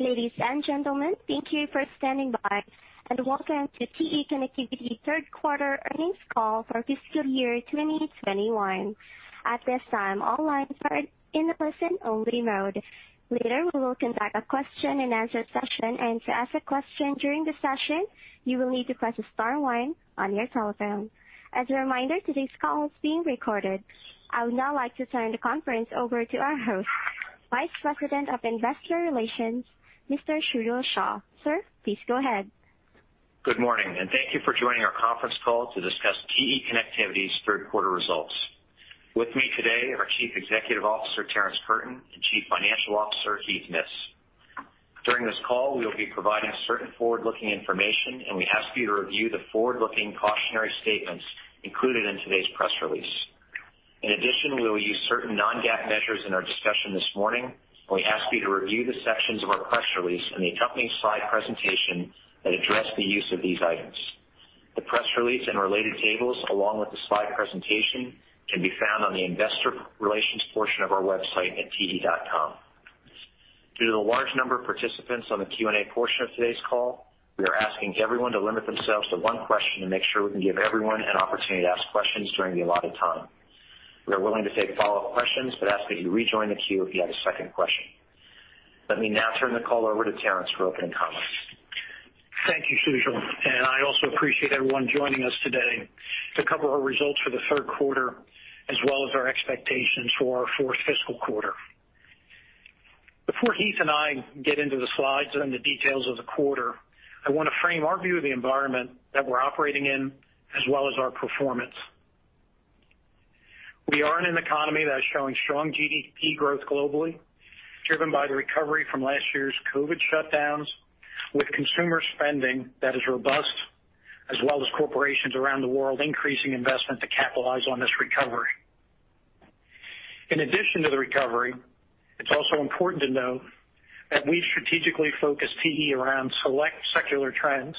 Ladies and gentlemen, thank you for standing by, welcome to TE Connectivity Third Quarter Earnings Call for Fiscal Year 2021. At this time, all lines are in listen only mode. Later, we will conduct a question-and-answer session. To ask a question during the session, you will need to press star one on your telephone. As a reminder, today's call is being recorded. I would now like to turn the conference over to our host, Vice President of Investor Relations, Mr. Sujal Shah. Sir, please go ahead. Good morning, and thank you for joining our conference call to discuss TE Connectivity's third quarter results. With me today are Chief Executive Officer, Terrence Curtin, and Chief Financial Officer, Heath Mitts. During this call, we will be providing certain forward-looking information, and we ask you to review the forward-looking cautionary statements included in today's press release. In addition, we will use certain non-GAAP measures in our discussion this morning, and we ask you to review the sections of our press release and the accompanying slide presentation that address the use of these items. The press release and related tables, along with the slide presentation, can be found on the investor relations portion of our website at te.com. Due to the large number of participants on the Q&A portion of today's call, we are asking everyone to limit themselves to one question to make sure we can give everyone an opportunity to ask questions during the allotted time. We are willing to take follow-up questions, but ask that you rejoin the queue if you have a second question. Let me now turn the call over to Terrence for opening comments. Thank you, Sujal, and I also appreciate everyone joining us today to cover our results for the third quarter, as well as our expectations for our fourth fiscal quarter. Before Heath and I get into the slides and the details of the quarter, I want to frame our view of the environment that we're operating in, as well as our performance. We are in an economy that is showing strong GDP growth globally, driven by the recovery from last year's COVID shutdowns, with consumer spending that is robust, as well as corporations around the world increasing investment to capitalize on this recovery. In addition to the recovery, it's also important to note that we've strategically focused TE around select secular trends,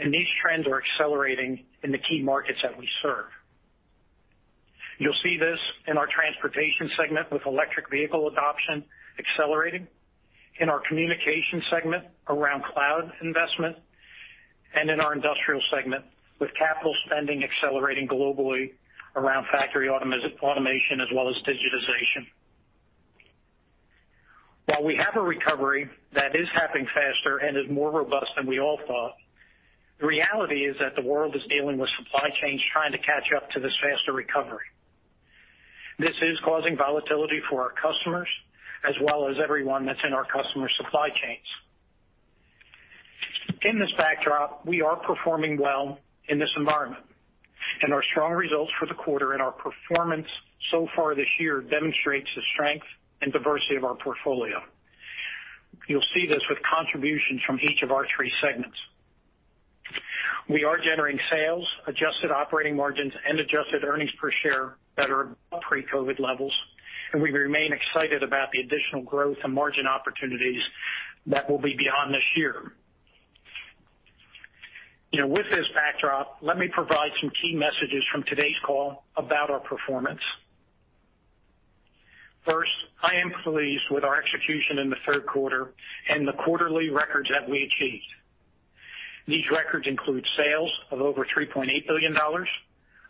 and these trends are accelerating in the key markets that we serve. You'll see this in our transportation segment with electric vehicle adoption accelerating, in our communication segment around cloud investment, and in our industrial segment with capital spending accelerating globally around factory automation as well as digitization. While we have a recovery that is happening faster and is more robust than we all thought, the reality is that the world is dealing with supply chains trying to catch up to this faster recovery. This is causing volatility for our customers, as well as everyone that's in our customers' supply chains. In this backdrop, we are performing well in this environment, and our strong results for the quarter and our performance so far this year demonstrates the strength and diversity of our portfolio. You'll see this with contributions from each of our three segments. We are generating sales, adjusted operating margins, and adjusted earnings per share that are pre-COVID levels, and we remain excited about the additional growth and margin opportunities that will be beyond this year. With this backdrop, let me provide some key messages from today's call about our performance. First, I am pleased with our execution in the third quarter and the quarterly records that we achieved. These records include sales of over $3.8 billion,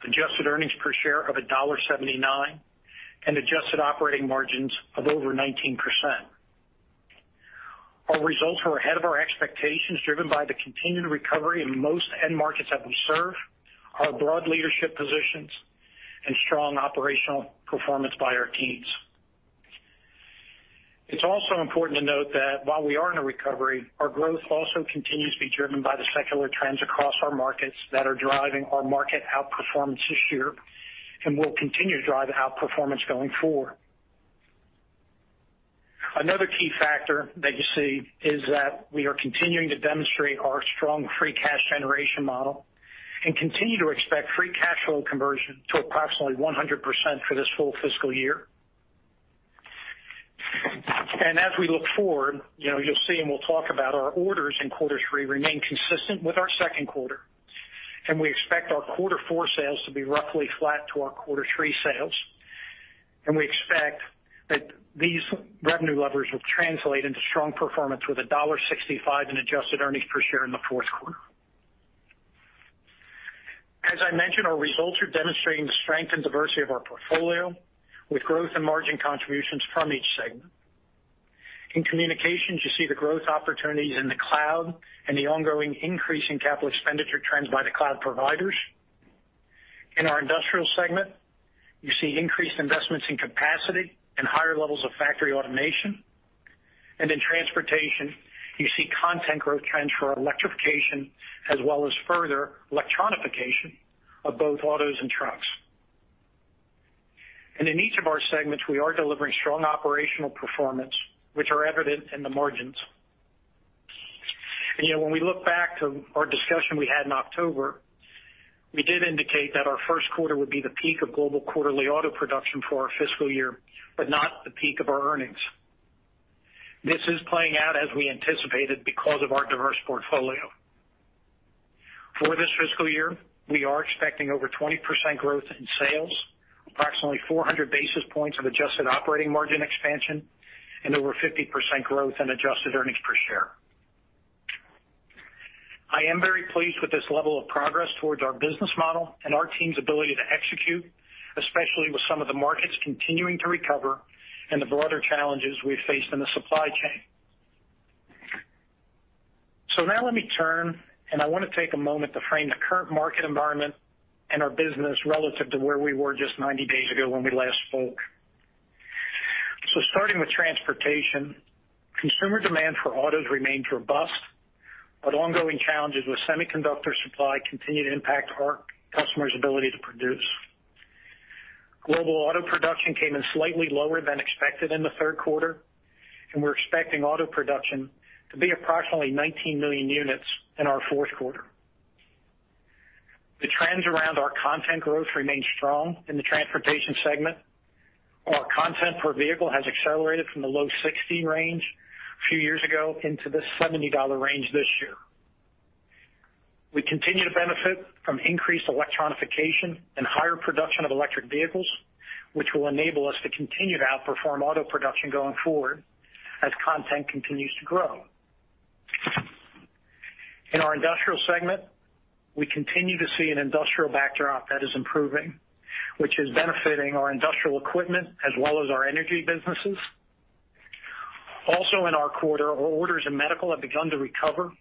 adjusted earnings per share of $1.79, and adjusted operating margins of over 19%. Our results were ahead of our expectations, driven by the continued recovery in most end markets that we serve, our broad leadership positions, and strong operational performance by our teams. It's also important to note that while we are in a recovery, our growth also continues to be driven by the secular trends across our markets that are driving our market outperformance this year, and will continue to drive outperformance going forward. Another key factor that you see is that we are continuing to demonstrate our strong free cash generation model, and continue to expect free cash flow conversion to approximately 100% for this full fiscal year. As we look forward, you'll see, and we'll talk about our orders in quarter three remain consistent with our second quarter. We expect our quarter four sales to be roughly flat to our quarter three sales. We expect that these revenue levers will translate into strong performance with $1.65 in adjusted earnings per share in the fourth quarter. As I mentioned, our results are demonstrating the strength and diversity of our portfolio, with growth and margin contributions from each segment. In communications, you see the growth opportunities in the cloud and the ongoing increase in capital expenditure trends by the cloud providers. In our industrial segment, you see increased investments in capacity and higher levels of factory automation. In transportation, you see content growth trends for electrification as well as further electronification of both autos and trucks. In each of our segments, we are delivering strong operational performance, which are evident in the margins. When we look back to our discussion we had in October, we did indicate that our first quarter would be the peak of global quarterly auto production for our fiscal year, but not the peak of our earnings. This is playing out as we anticipated because of our diverse portfolio. For this fiscal year, we are expecting over 20% growth in sales, approximately 400 basis points of adjusted operating margin expansion, and over 50% growth in adjusted earnings per share. I am very pleased with this level of progress towards our business model and our team's ability to execute, especially with some of the markets continuing to recover and the broader challenges we faced in the supply chain. Now let me turn, and I want to take a moment to frame the current market environment and our business relative to where we were just 90 days ago when we last spoke. Starting with transportation, consumer demand for autos remains robust, but ongoing challenges with semiconductor supply continue to impact our customers' ability to produce. Global auto production came in slightly lower than expected in the third quarter, and we're expecting auto production to be approximately 19 million units in our fourth quarter. The trends around our content growth remain strong in the transportation segment. Our content per vehicle has accelerated from the low 60 range a few years ago into the $70 range this year. We continue to benefit from increased electronification and higher production of electric vehicles, which will enable us to continue to outperform auto production going forward as content continues to grow. In our industrial segment, we continue to see an industrial backdrop that is improving, which is benefiting our industrial equipment as well as our energy businesses. Also in our quarter, our orders in medical have begun to recover,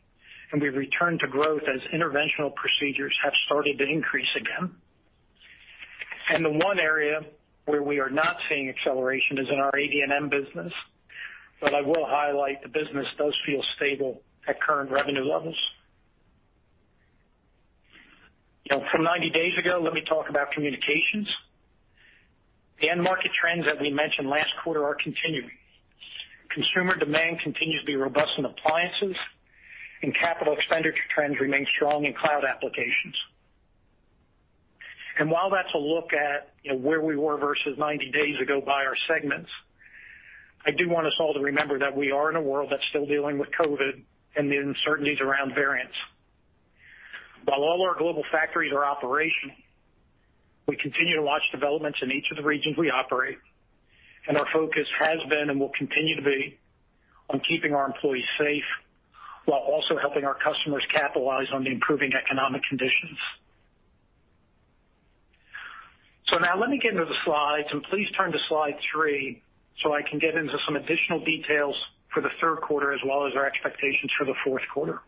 and we've returned to growth as interventional procedures have started to increase again. The one area where we are not seeing acceleration is in our AD&M business. I will highlight, the business does feel stable at current revenue levels. From 90 days ago, let me talk about communications. The end market trends that we mentioned last quarter are continuing. Consumer demand continues to be robust in appliances, and capital expenditure trends remain strong in cloud applications. While that's a look at where we were versus 90 days ago by our segments, I do want us all to remember that we are in a world that's still dealing with COVID and the uncertainties around variants. While all our global factories are operational, we continue to watch developments in each of the regions we operate, our focus has been and will continue to be on keeping our employees safe while also helping our customers capitalize on the improving economic conditions. Now let me get into the slides, please turn to slide three so I can get into some additional details for the third quarter, as well as our expectations for the fourth quarter.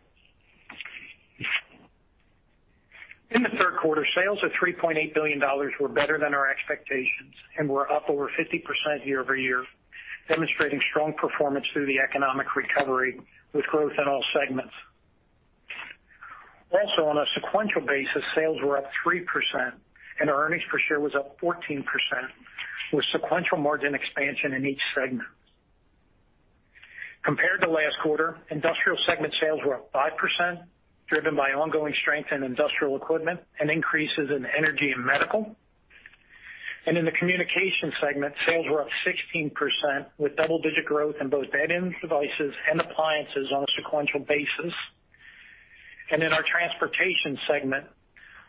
In the third quarter, sales of $3.8 billion were better than our expectations and were up over 50% year-over-year, demonstrating strong performance through the economic recovery with growth in all segments. Also, on a sequential basis, sales were up 3%, and our earnings per share was up 14%, with sequential margin expansion in each segment. Compared to last quarter, industrial segment sales were up 5%, driven by ongoing strength in industrial equipment and increases in energy and medical. In the communication segment, sales were up 16%, with double-digit growth in both data and devices and appliances on a sequential basis. In our transportation segment,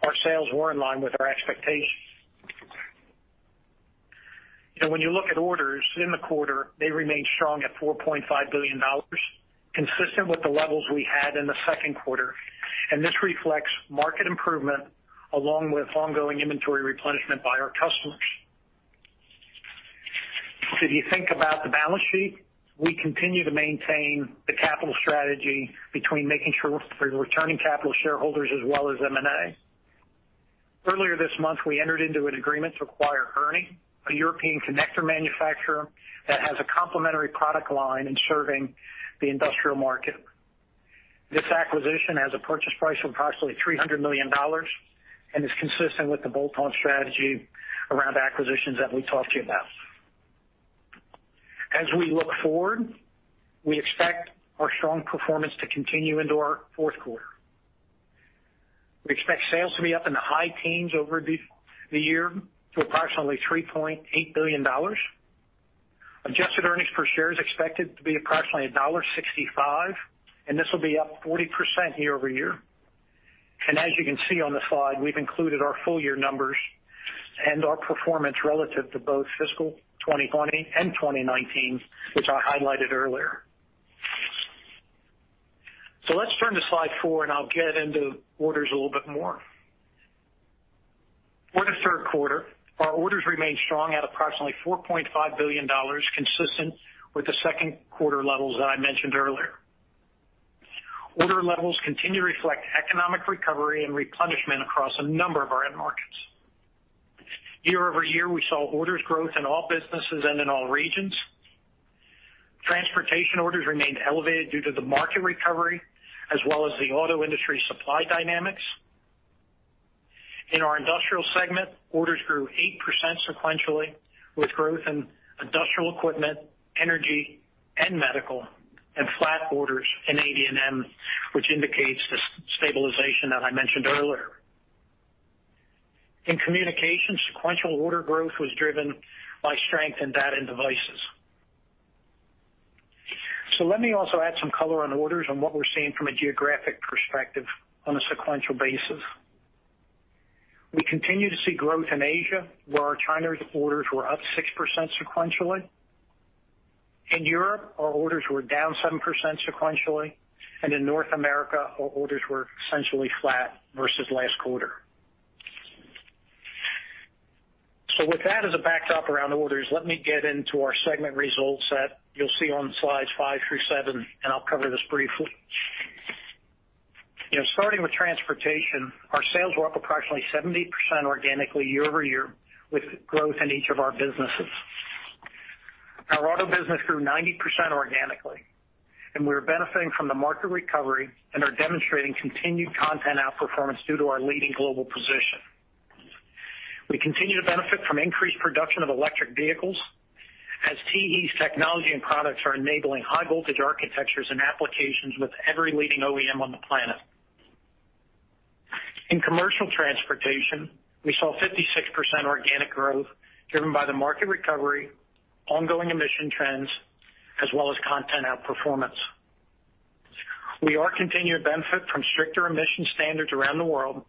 our sales were in line with our expectations. When you look at orders in the quarter, they remain strong at $4.5 billion, consistent with the levels we had in the second quarter. This reflects market improvement along with ongoing inventory replenishment by our customers. If you think about the balance sheet, we continue to maintain the capital strategy between making sure we're returning capital to shareholders as well as M&A. Earlier this month, we entered into an agreement to acquire ERNI, a European connector manufacturer that has a complementary product line in serving the industrial market. This acquisition has a purchase price of approximately $300 million and is consistent with the bolt-on strategy around acquisitions that we talked to you about. As we look forward, we expect our strong performance to continue into our fourth quarter. We expect sales to be up in the high teens over the year to approximately $3.8 billion. Adjusted earnings per share is expected to be approximately $1.65. This will be up 40% year-over-year. As you can see on the slide, we've included our full-year numbers and our performance relative to both fiscal 2020 and 2019, which I highlighted earlier. Let's turn to slide four. I'll get into orders a little bit more. For the third quarter, our orders remained strong at approximately $4.5 billion, consistent with the second quarter levels that I mentioned earlier. Order levels continue to reflect economic recovery and replenishment across a number of our end markets. Year-over-year, we saw orders growth in all businesses and in all regions. Transportation orders remained elevated due to the market recovery as well as the auto industry supply dynamics. In our industrial segment, orders grew 8% sequentially, with growth in industrial equipment, energy and medical, and flat orders in AD&M, which indicates the stabilization that I mentioned earlier. Let me also add some color on orders on what we're seeing from a geographic perspective on a sequential basis. We continue to see growth in Asia, where our China orders were up 6% sequentially. In Europe, our orders were down 7% sequentially, and in North America, our orders were essentially flat versus last quarter. With that as a backdrop around orders, let me get into our segment results that you'll see on slides five through seven, and I'll cover this briefly. Starting with transportation, our sales were up approximately 70% organically year-over-year, with growth in each of our businesses. Our auto business grew 90% organically. We are benefiting from the market recovery and are demonstrating continued content outperformance due to our leading global position. We continue to benefit from increased production of electric vehicles as TE's technology and products are enabling high voltage architectures and applications with every leading OEM on the planet. In commercial transportation, we saw 56% organic growth driven by the market recovery, ongoing emission trends, as well as content outperformance. We are continuing to benefit from stricter emission standards around the world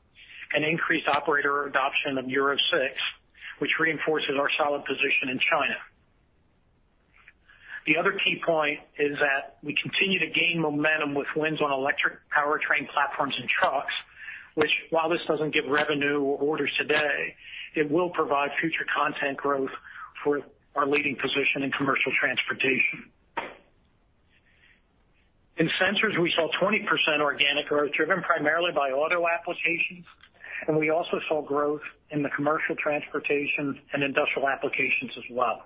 and increased operator adoption of euro 6, which reinforces our solid position in China. The other key point is that we continue to gain momentum with wins on electric powertrain platforms and trucks, which while this doesn't give revenue or orders today, it will provide future content growth for our leading position in commercial transportation. In sensors, we saw 20% organic growth driven primarily by auto applications, and we also saw growth in the commercial transportation and industrial applications as well.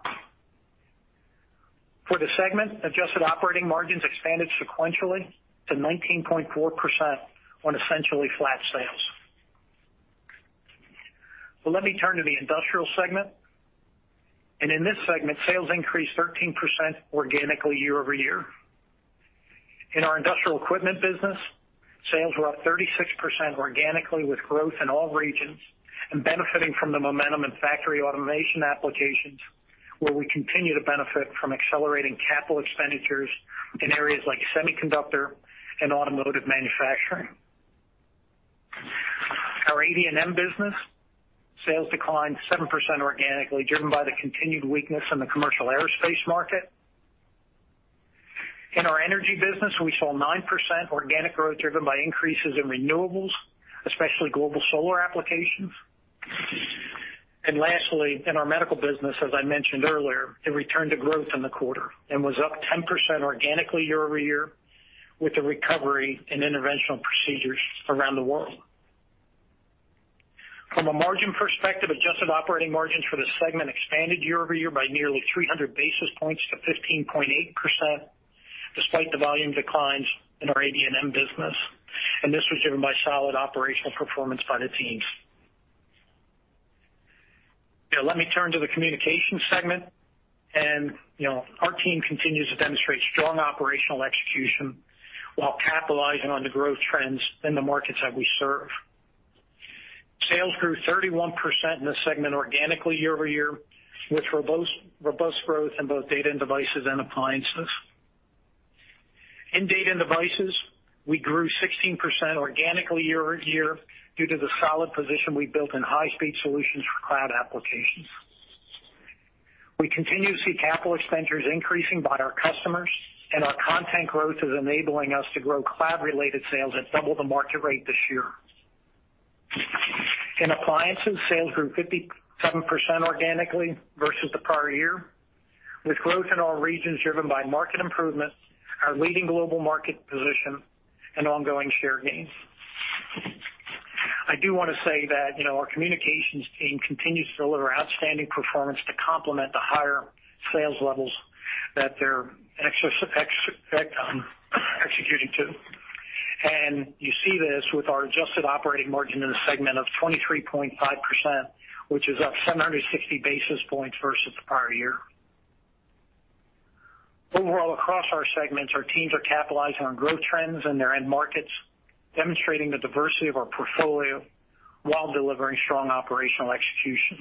For the segment, adjusted operating margins expanded sequentially to 19.4% on essentially flat sales. Well, let me turn to the Industrial segment, and in this segment, sales increased 13% organically year-over-year. In our industrial equipment business, sales were up 36% organically with growth in all regions and benefiting from the momentum in factory automation applications, where we continue to benefit from accelerating capital expenditures in areas like semiconductor and automotive manufacturing. Our AD&M business sales declined 7% organically, driven by the continued weakness in the commercial aerospace market. In our energy business, we saw 9% organic growth driven by increases in renewables, especially global solar applications. Lastly, in our medical business, as I mentioned earlier, it returned to growth in the quarter and was up 10% organically year-over-year with a recovery in interventional procedures around the world. From a margin perspective, adjusted operating margins for the segment expanded year-over-year by nearly 300 basis points to 15.8%, despite the volume declines in our AD&M business, and this was driven by solid operational performance by the teams. Let me turn to the communication segment, and our team continues to demonstrate strong operational execution while capitalizing on the growth trends in the markets that we serve. Sales grew 31% in the segment organically year-over-year, with robust growth in both data and devices and appliances. In data and devices, we grew 16% organically year-over-year due to the solid position we've built in high-speed solutions for cloud applications. We continue to see capital expenditures increasing by our customers, and our content growth is enabling us to grow cloud-related sales at double the market rate this year. In appliances, sales grew 57% organically versus the prior year, with growth in all regions driven by market improvements, our leading global market position, and ongoing share gains. I do want to say that our communications team continues to deliver outstanding performance to complement the higher sales levels that they're executing to. You see this with our adjusted operating margin in the segment of 23.5%, which is up 760 basis points versus the prior year. Overall, across our segments, our teams are capitalizing on growth trends in their end markets, demonstrating the diversity of our portfolio while delivering strong operational execution.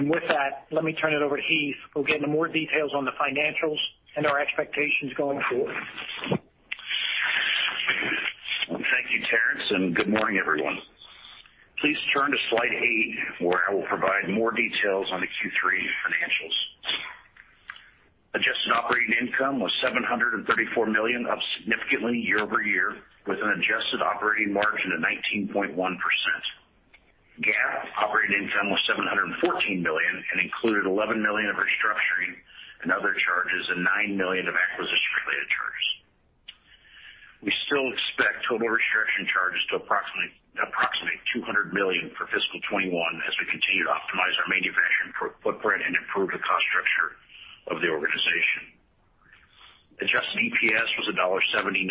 With that, let me turn it over to Heath, who'll get into more details on the financials and our expectations going forward. Thank you, Terrence. Good morning, everyone. Please turn to slide eight, where I will provide more details on the Q3 financials. Adjusted operating income was $734 million, up significantly year-over-year with an adjusted operating margin of 19.1%. GAAP operating income was $714 million and included $11 million of restructuring and other charges and $9 million of acquisition-related charges. We still expect total restructuring charges to approximate $200 million for fiscal 2021 as we continue to optimize our manufacturing footprint and improve the cost structure of the organization. Adjusted EPS was $1.79,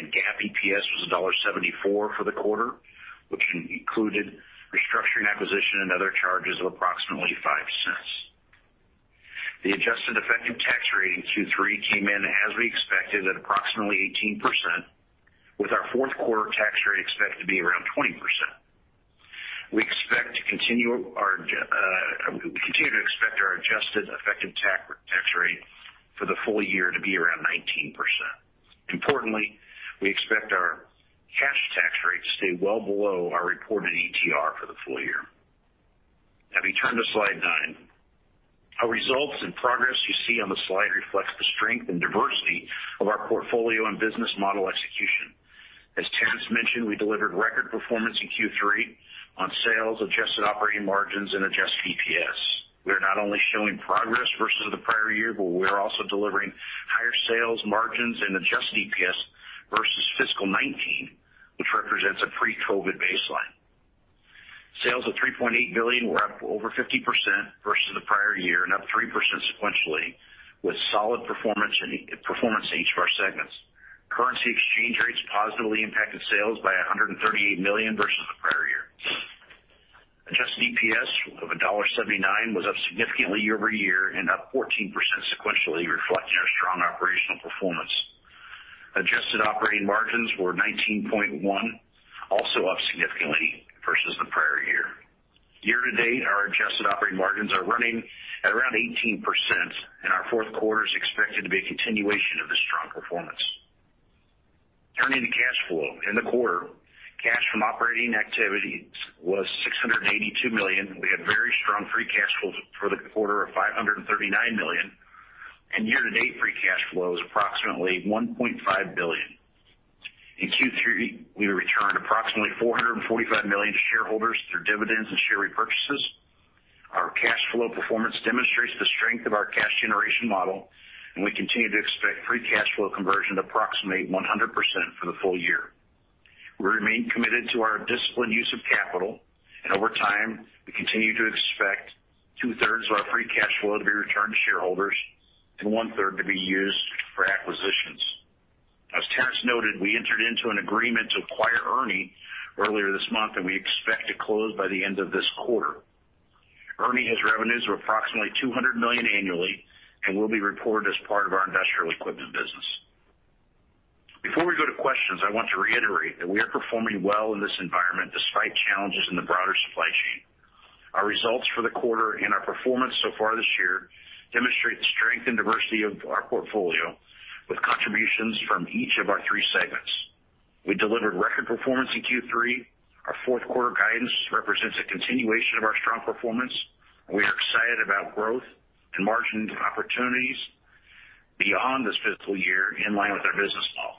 and GAAP EPS was $1.74 for the quarter, which included restructuring, acquisition, and other charges of approximately $0.05. The adjusted effective tax rate in Q3 came in as we expected at approximately 18%, with our fourth quarter tax rate expected to be around 20%. We expect to continue to expect our adjusted effective tax rate for the full-year to be around 19%. Importantly, we expect our cash tax rate to stay well below our reported ETR for the full-year. Now, we turn to slide nine. Our results and progress you see on the slide reflects the strength and diversity of our portfolio and business model execution. As Terrence mentioned, we delivered record performance in Q3 on sales, adjusted operating margins, and adjusted EPS. We are not only showing progress versus the prior year, but we're also delivering higher sales margins and adjusted EPS versus FY 2019, which represents a pre-COVID baseline. Sales of $3.8 billion were up over 50% versus the prior year and up 3% sequentially, with solid performance in each of our segments. Currency exchange rates positively impacted sales by $138 million versus the prior year. Adjusted EPS of $1.79 was up significantly year-over-year and up 14% sequentially, reflecting our strong operational performance. Adjusted operating margins were 19.1%, also up significantly versus the prior year. Year-to-date, our adjusted operating margins are running at around 18%, and our fourth quarter is expected to be a continuation of this strong performance. Turning to cash flow. In the quarter, cash from operating activities was $682 million. We had very strong free cash flow for the quarter of $539 million, and year-to-date, free cash flow is approximately $1.5 billion. In Q3, we returned approximately $445 million to shareholders through dividends and share repurchases. Our cash flow performance demonstrates the strength of our cash generation model, and we continue to expect free cash flow conversion to approximate 100% for the full-year. We remain committed to our disciplined use of capital, and over time, we continue to expect two-thirds of our free cash flow to be returned to shareholders and one-third to be used for acquisitions. As Terrence noted, we entered into an agreement to acquire ERNI earlier this month, and we expect to close by the end of this quarter. ERNI has revenues of approximately $200 million annually and will be reported as part of our industrial equipment business. Before we go to questions, I want to reiterate that we are performing well in this environment despite challenges in the broader supply chain. Our results for the quarter and our performance so far this year demonstrate the strength and diversity of our portfolio, with contributions from each of our three segments. We delivered record performance in Q3. Our 4th quarter guidance represents a continuation of our strong performance, and we are excited about growth and margin opportunities beyond this fiscal year in line with our business model.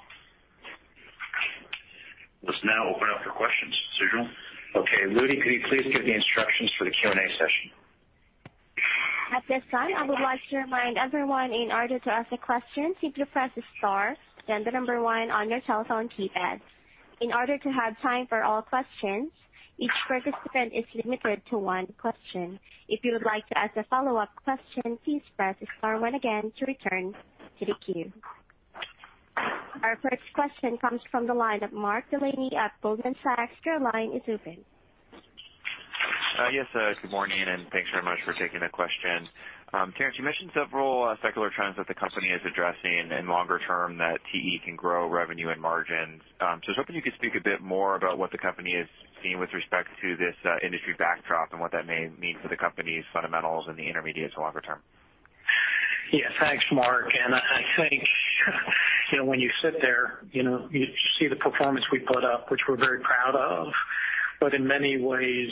Let's now open up for questions. Sujal? Okay. [inaudible] could you please give the instructions for the Q&A session? Our first question comes from the line of Mark Delaney at Goldman Sachs. Your line is open. Yes. Good morning, and thanks very much for taking the question. Terrence, you mentioned several secular trends that the company is addressing and longer term that TE can grow revenue and margins. I was hoping you could speak a bit more about what the company is seeing with respect to this industry backdrop and what that may mean for the company's fundamentals in the intermediate to longer term. Yeah. Thanks, Mark. I think when you sit there, you see the performance we put up, which we're very proud of. In many ways,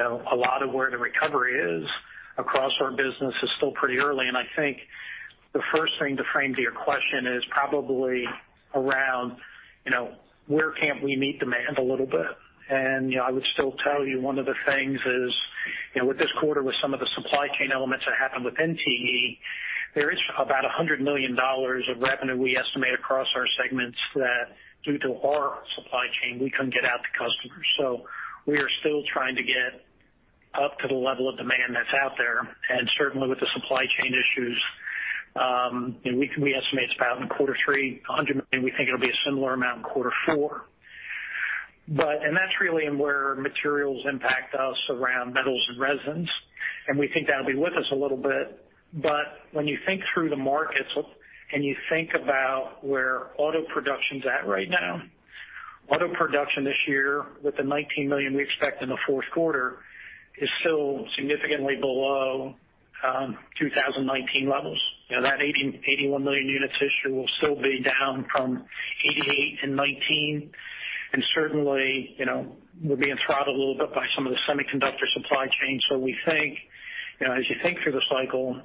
a lot of where the recovery is across our business is still pretty early. I think the first thing to frame to your question is probably around where can we meet demand a little bit. I would still tell you one of the things is, with this quarter, with some of the supply chain elements that happened within TE, there is about $100 million of revenue we estimate across our segments that due to our supply chain, we couldn't get out to customers. We are still trying to get up to the level of demand that's out there. Certainly, with the supply chain issues, we estimate it's about in Q3, $100 million. We think it'll be a similar amount in quarter four. That's really where materials impact us around metals and resins, and we think that'll be with us a little bit. When you think through the markets and you think about where auto production's at right now, auto production this year with the $19 million we expect in the fourth quarter, is still significantly below 2019 levels. That $81 million units this year will still be down from $88 million in 2019. Certainly, we're being throttled a little bit by some of the semiconductor supply chain. As you think through the cycle,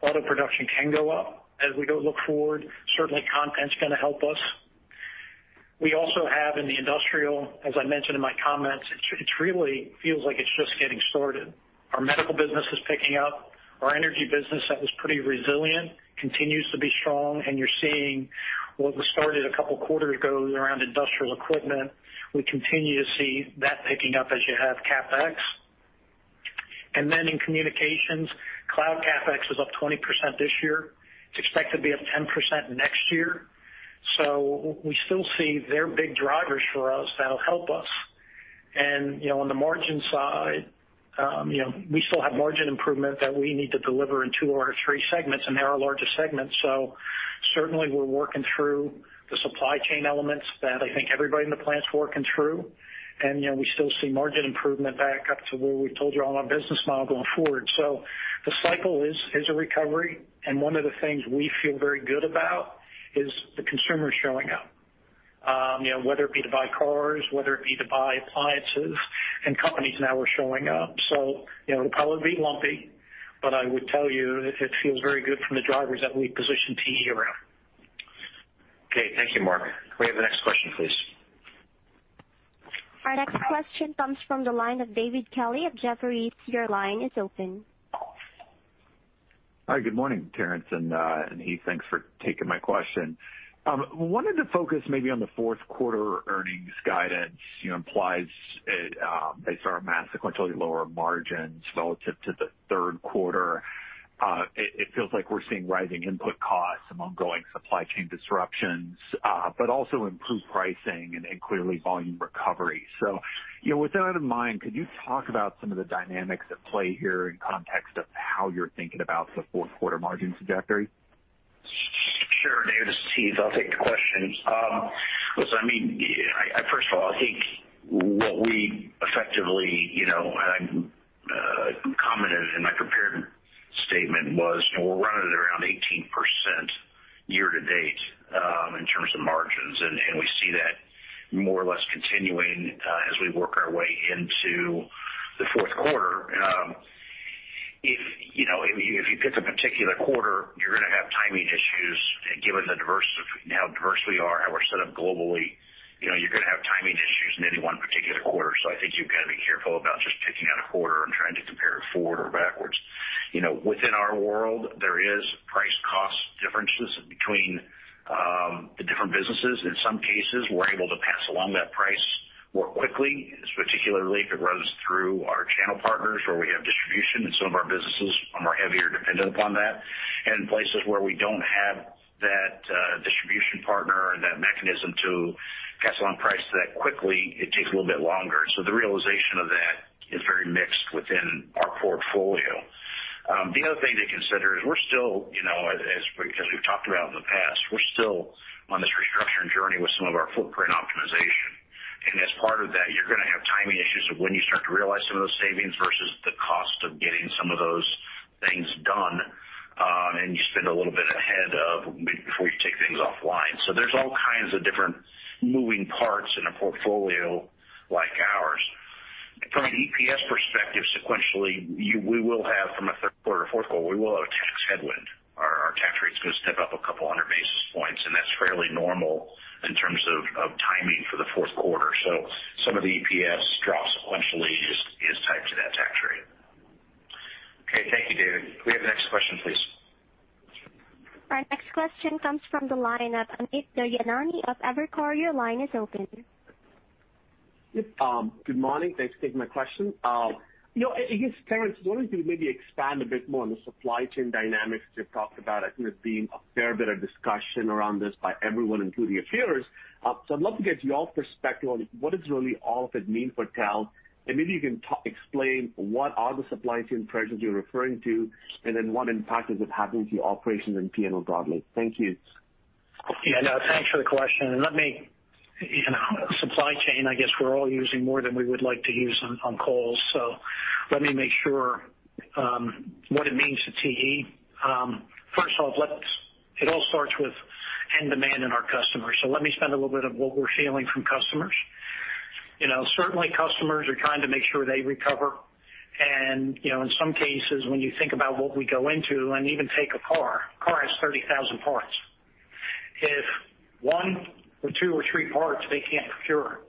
auto production can go up as we go look forward. Certainly, content's going to help us. We also have in the industrial, as I mentioned in my comments, it really feels like it's just getting started. Our medical business is picking up. Our energy business that was pretty resilient continues to be strong, and you're seeing what was started a couple of quarters ago around industrial equipment. We continue to see that picking up as you have CapEx. In communications, cloud CapEx is up 20% this year. It's expected to be up 10% next year. We still see they're big drivers for us that'll help us. We still have margin improvement that we need to deliver in two or three segments, and they're our largest segments. Certainly we're working through the supply chain elements that I think everybody in the plan is working through. We still see margin improvement back up to where we've told you all our business model going forward. The cycle is a recovery, and one of the things we feel very good about is the consumer is showing up. Whether it be to buy cars, whether it be to buy appliances, and companies now are showing up. It will probably be lumpy, but I would tell you it feels very good from the drivers that we positioned TE around. Okay. Thank you, Mark. May we have the next question, please? Our next question comes from the line of David Kelley of Jefferies. Your line is open. Hi, good morning, Terrence and Heath. Thanks for taking my question. I wanted to focus maybe on the fourth quarter earnings guidance implies, based on our math, sequentially lower margins relative to the third quarter. It feels like we're seeing rising input costs, some ongoing supply chain disruptions, but also improved pricing and clearly volume recovery. With that in mind, could you talk about some of the dynamics at play here in context of how you're thinking about the fourth quarter margin trajectory? Sure. David, this is Heath. I'll take the question. Listen, first of all, I think what we effectively, and I commented in my prepared statement, was we're running at around 18% year-to-date in terms of margins, and we see that more or less continuing as we work our way into the fourth quarter. If you pick a particular quarter, you're going to have timing issues given how diverse we are, how we're set up globally. You're going to have timing issues in any one particular quarter. I think you've got to be careful about just picking out a quarter and trying to compare it forward or backwards. Within our world, there is price cost differences between the different businesses. In some cases, we're able to pass along that price more quickly, particularly if it runs through our channel partners where we have distribution, and some of our businesses are more heavily dependent upon that. Places where we don't have that distribution partner or that mechanism to pass along price that quickly, it takes a little bit longer. The realization of that is very mixed within our portfolio. The other thing to consider is we're still, as we've talked about in the past, we're still on this restructuring journey with some of our footprint optimization. As part of that, you're going to have timing issues of when you start to realize some of those savings versus the cost of getting some of those things done. You spend a little bit ahead of before you take things offline. There's all kinds of different moving parts in a portfolio like ours. From an EPS perspective, sequentially, from a third quarter, fourth quarter, we will have a tax headwind. Our tax rate's going to step up 200 basis points, and that's fairly normal in terms of timing for the fourth quarter. Some of the EPS drop sequentially is tied to that tax rate. Okay, thank you, David. Can we have the next question, please? Our next question comes from the line of Amit Daryanani of Evercore. Your line is open. Good morning. Thanks for taking my question. I guess, Terrence, wanted to maybe expand a bit more on the supply chain dynamics you've talked about. I think there's been a fair bit of discussion around this by everyone, including investors. I'd love to get your perspective on what does really all of it mean for TE, and maybe you can explain what are the supply chain pressures you're referring to, and then what impact is it having to your operations and P&L broadly. Thank you. Yeah, no, thanks for the question. Let me, supply chain, I guess we're all using more than we would like to use on calls, so let me make sure what it means to TE. First of all, it all starts with end demand in our customers. Let me spend a little bit of what we're feeling from customers. Certainly customers are trying to make sure they recover. In some cases, when you think about what we go into, and even take a car, a car has 30,000 parts. If one or two or three parts they can't procure,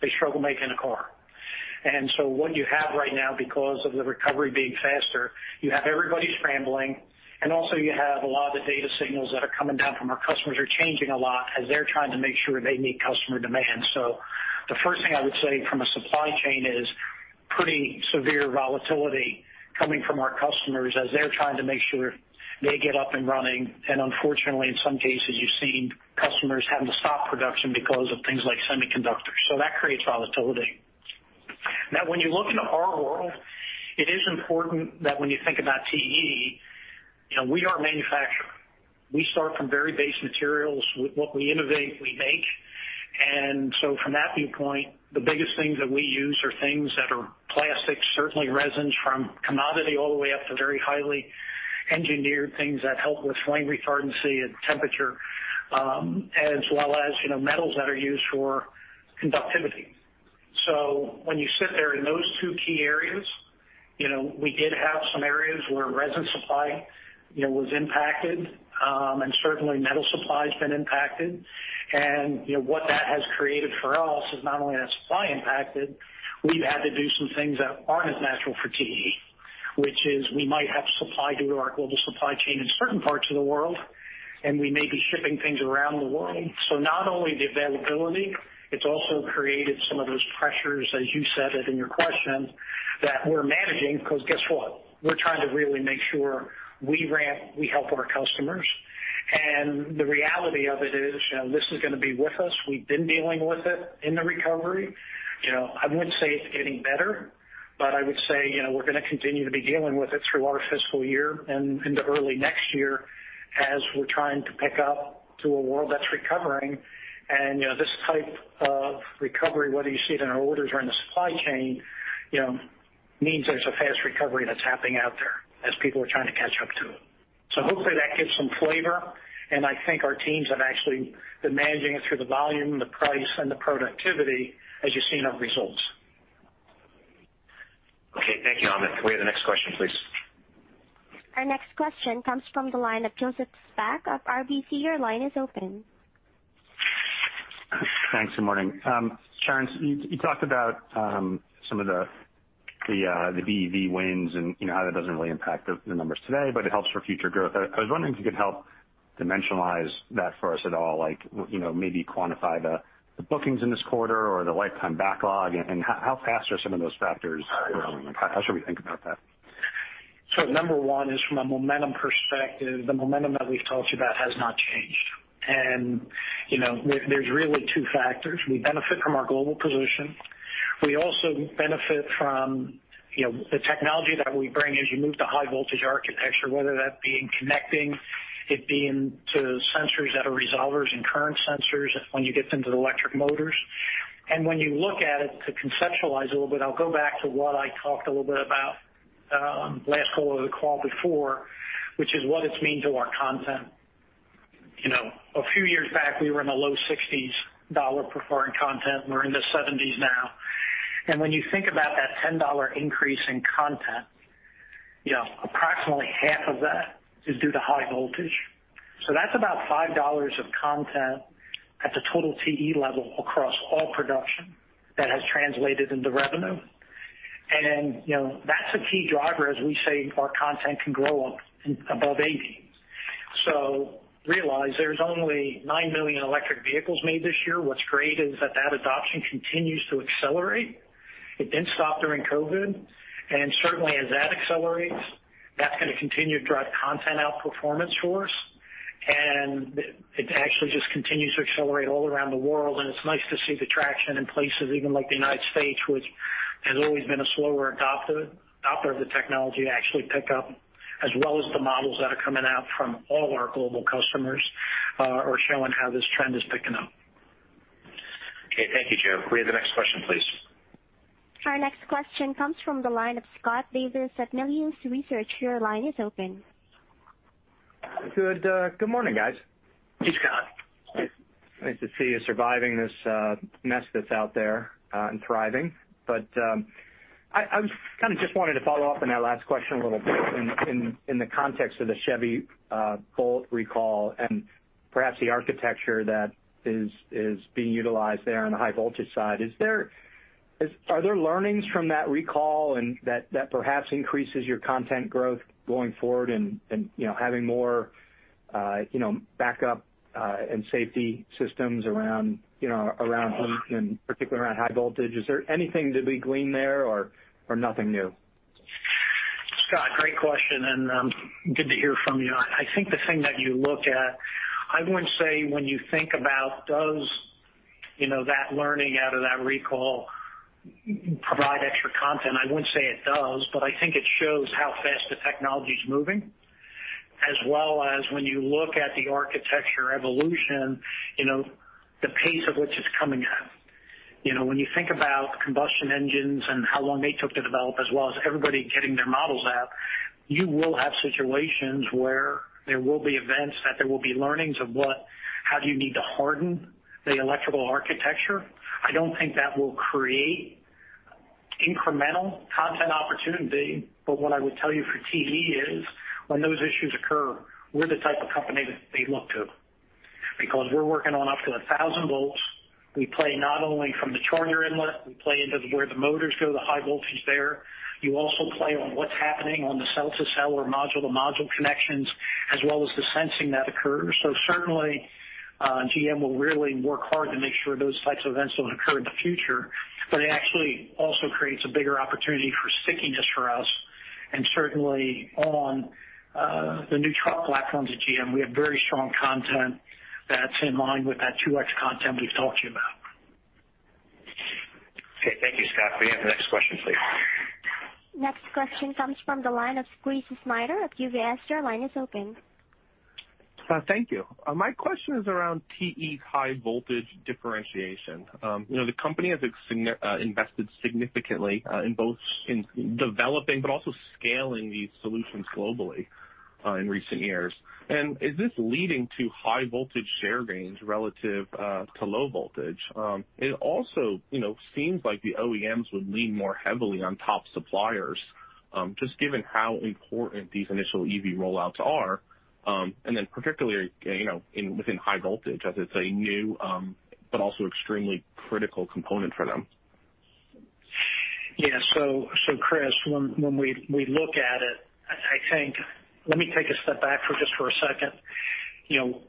they struggle making a car. What you have right now, because of the recovery being faster, you have everybody scrambling, and also you have a lot of the data signals that are coming down from our customers are changing a lot as they're trying to make sure they meet customer demand. The first thing I would say from a supply chain is pretty severe volatility coming from our customers as they're trying to make sure they get up and running. Unfortunately, in some cases, you've seen customers having to stop production because of things like semiconductors. That creates volatility. When you look into our world, it is important that when you think about TE, we are a manufacturer. We start from very base materials. What we innovate, we make. From that viewpoint, the biggest things that we use are things that are plastic, certainly resins from commodity all the way up to very highly engineered things that help with flame retardancy and temperature, as well as metals that are used for conductivity. When you sit there in those two key areas, we did have some areas where resin supply was impacted, and certainly metal supply has been impacted. What that has created for us is not only that supply impacted, we've had to do some things that aren't as natural for TE. Which is we might have supply due to our global supply chain in certain parts of the world, and we may be shipping things around the world. Not only the availability, it's also created some of those pressures, as you said in your question, that we're managing, because guess what? We're trying to really make sure we help our customers. The reality of it is, this is going to be with us. We've been dealing with it in the recovery. I wouldn't say it's getting better, but I would say, we're going to continue to be dealing with it through our fiscal year and into early next year as we're trying to pick up to a world that's recovering. This type of recovery, whether you see it in our orders or in the supply chain, means there's a fast recovery that's happening out there as people are trying to catch up to it. Hopefully that gives some flavor, and I think our teams have actually been managing it through the volume, the price, and the productivity, as you've seen our results. Okay. Thank you, Amit. Can we have the next question, please? Our next question comes from the line of Joseph Spak of RBC. Your line is open. Thanks, good morning. Terrence, you talked about some of the BEV wins and how that doesn't really impact the numbers today, but it helps for future growth. I was wondering if you could help dimensionalize that for us at all, like maybe quantify the bookings in this quarter or the lifetime backlog, and how fast are some of those factors growing? How should we think about that? Number one is from a momentum perspective, the momentum that we've told you about has not changed. There's really two factors. We benefit from our global position. We also benefit from the technology that we bring as you move to high voltage architecture, whether that be in connecting, it being to sensors that are resolvers and current sensors when you get into the electric motors. When you look at it to conceptualize a little bit, I'll go back to what I talked a little bit about last quarter or the call before, which is what it's mean to our content. A few years back, we were in the low $60s per. [inaudible] We're in the $70s now. When you think about that $10 increase in content, approximately half of that is due to high voltage. That's about $5 of content at the total TE level across all production that has translated into revenue. That's a key driver, as we say our content can grow above 80. Realize there's only 9 million electric vehicles made this year. What's great is that that adoption continues to accelerate. It didn't stop during COVID, and certainly as that accelerates, that's going to continue to drive content outperformance for us, and it actually just continues to accelerate all around the world. It's nice to see the traction in places even like the United States, which has always been a slower adopter of the technology, actually pick up, as well as the models that are coming out from all of our global customers are showing how this trend is picking up. Okay, thank you, Joe. Can we have the next question, please? Our next question comes from the line of Scott Davis at Melius Research. Your line is open. Good morning, guys. Hey, Scott. Nice to see you surviving this mess that's out there and thriving. I kind of just wanted to follow up on that last question a little bit in the context of the Chevy Bolt recall and perhaps the architecture that is being utilized there on the high voltage side. Are there learnings from that recall and that perhaps increases your content growth going forward and having more backup and safety systems around heat and particularly around high voltage? Is there anything to be gleaned there or nothing new? Scott, great question, and good to hear from you. I think the thing that you look at, I wouldn't say when you think about does that learning out of that recall provide extra content, I wouldn't say it does, but I think it shows how fast the technology's moving, as well as when you look at the architecture evolution, the pace at which it's coming at. When you think about combustion engines and how long they took to develop as well as everybody getting their models out, you will have situations where there will be events that there will be learnings of how do you need to harden the electrical architecture. I don't think that will create incremental content opportunity. What I would tell you for TE is when those issues occur, we're the type of company that they look to because we're working on up to 1,000 volts. We play not only from the charger inlet, we play into where the motors go, the high voltage there. You also play on what's happening on the cell-to-cell or module-to-module connections as well as the sensing that occurs. Certainly, GM will really work hard to make sure those types of events don't occur in the future. It actually also creates a bigger opportunity for stickiness for us. Certainly on the new truck platforms at GM, we have very strong content that's in line with that 2X content we've talked to you about. Okay, thank you, Scott. Can we have the next question, please? Next question comes from the line of Chris Snyder of UBS. Your line is open. Thank you. My question is around TE high voltage differentiation. The company has invested significantly in both developing but also scaling these solutions globally in recent years. Is this leading to high voltage share gains relative to low voltage? It also seems like the OEMs would lean more heavily on top suppliers, just given how important these initial EV rollouts are, and then particularly within high voltage as it's a new but also extremely critical component for them. Yeah. Chris, when we look at it, I think let me take a step back for just for a second.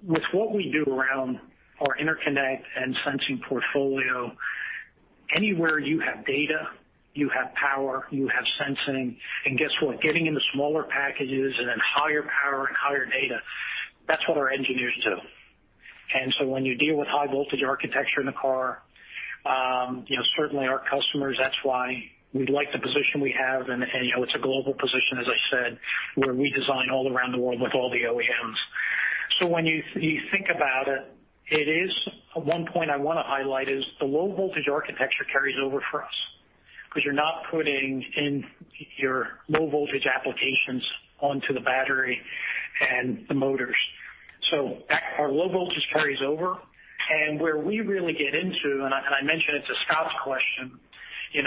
With what we do around our interconnect and sensing portfolio. Anywhere you have data, you have power, you have sensing, and guess what? Getting into smaller packages and then higher power and higher data, that's what our engineers do. When you deal with high voltage architecture in the car, certainly our customers, that's why we like the position we have. It's a global position, as I said, where we design all around the world with all the OEMs. When you think about it, one point I want to highlight is the low voltage architecture carries over for us, because you're not putting in your low voltage applications onto the battery and the motors. Our low voltage carries over, and where we really get into, and I mentioned it to Scott's question, it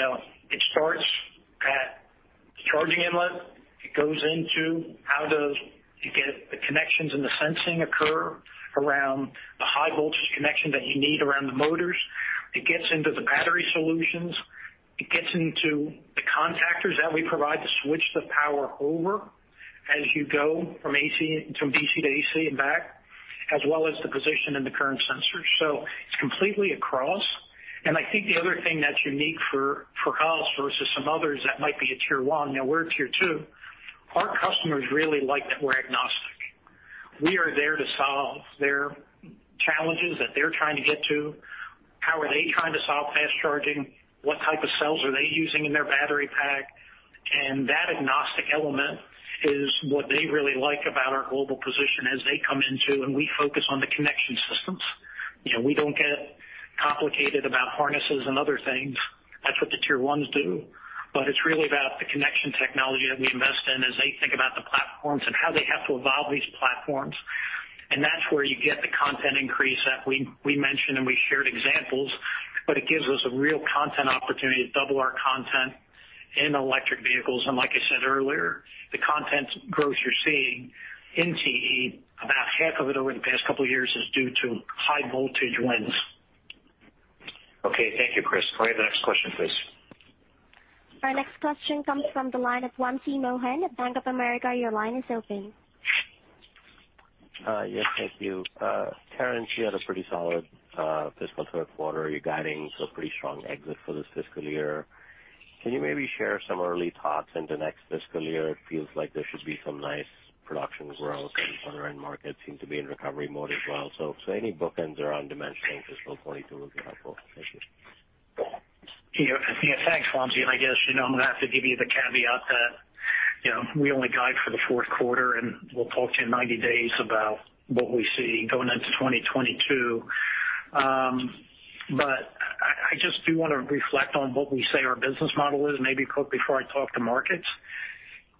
starts at the charging inlet. It goes into how does the connections and the sensing occur around the high voltage connection that you need around the motors. It gets into the battery solutions. It gets into the contactors that we provide to switch the power over as you go from DC to AC and back, as well as the position in the current sensors. It's completely across. I think the other thing that's unique for us versus some others that might be a Tier 1, now we're Tier 2, our customers really like that we're agnostic. We are there to solve their challenges that they're trying to get to. How are they trying to solve fast charging? What type of cells are they using in their battery pack? That agnostic element is what they really like about our global position as they come into, and we focus on the connection systems. We don't get complicated about harnesses and other things. That's what the Tier 1s do. It's really about the connection technology that we invest in as they think about the platforms and how they have to evolve these platforms. That's where you get the content increase that we mentioned, and we shared examples, but it gives us a real content opportunity to double our content in electric vehicles. Like I said earlier, the content growth you're seeing in TE, about half of it over the past couple of years is due to high voltage wins. Okay. Thank you, Chris. Can we have the next question, please? Our next question comes from the line of Wamsi Mohan at Bank of America. Your line is open. Yes. Thank you. Terrence, you had a pretty solid fiscal third quarter. You're guiding for pretty strong exit for this fiscal year. Can you maybe share some early thoughts into next fiscal year? It feels like there should be some nice production growth, and underlying markets seem to be in recovery mode as well. Any bookends around demand change in FY 2022 would be helpful. Thank you. Yeah. Thanks, Wamsi. I guess, I'm going to have to give you the caveat that we only guide for the fourth quarter, and we'll talk to you in 90 days about what we see going into 2022. I just do want to reflect on what we say our business model is, maybe quick before I talk to markets.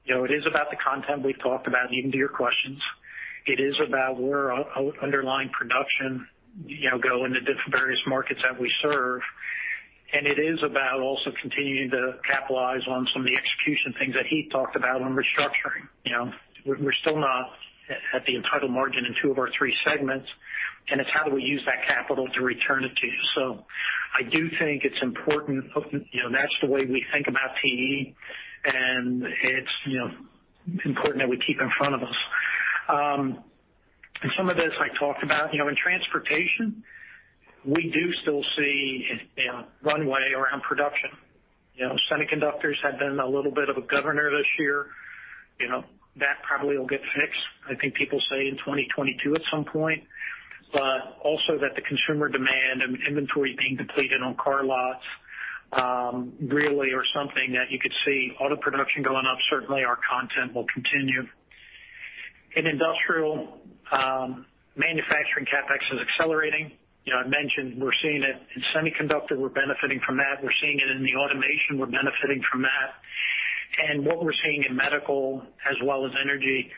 It is about the content we've talked about, and even to your questions. It is about where underlying production go into various markets that we serve. It is about also continuing to capitalize on some of the execution things that he talked about on restructuring. We're still not at the entitled margin in two of our three segments, and it's how do we use that capital to return it to you. I do think it's important. That's the way we think about TE, and it's important that we keep in front of us. Some of this I talked about. In transportation, we do still see runway around production. semiconductors have been a little bit of a governor this year. That probably will get fixed, I think people say in 2022 at some point. Also that the consumer demand and inventory being depleted on car lots really are something that you could see auto production going up. Certainly, our content will continue. In industrial, manufacturing CapEx is accelerating. I mentioned we're seeing it in semiconductor. We're benefiting from that. We're seeing it in the automation. We're benefiting from that. What we're seeing in medical as well as energy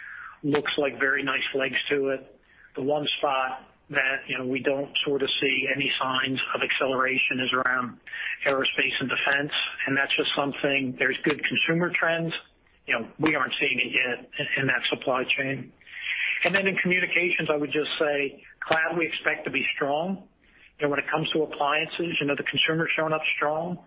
looks like very nice legs to it. The one spot that we don't sort of see any signs of acceleration is around aerospace and defense, that's just something, there's good consumer trends. We aren't seeing it yet in that supply chain. In communications, I would just say cloud we expect to be strong. When it comes to appliances, the consumer's shown up strong.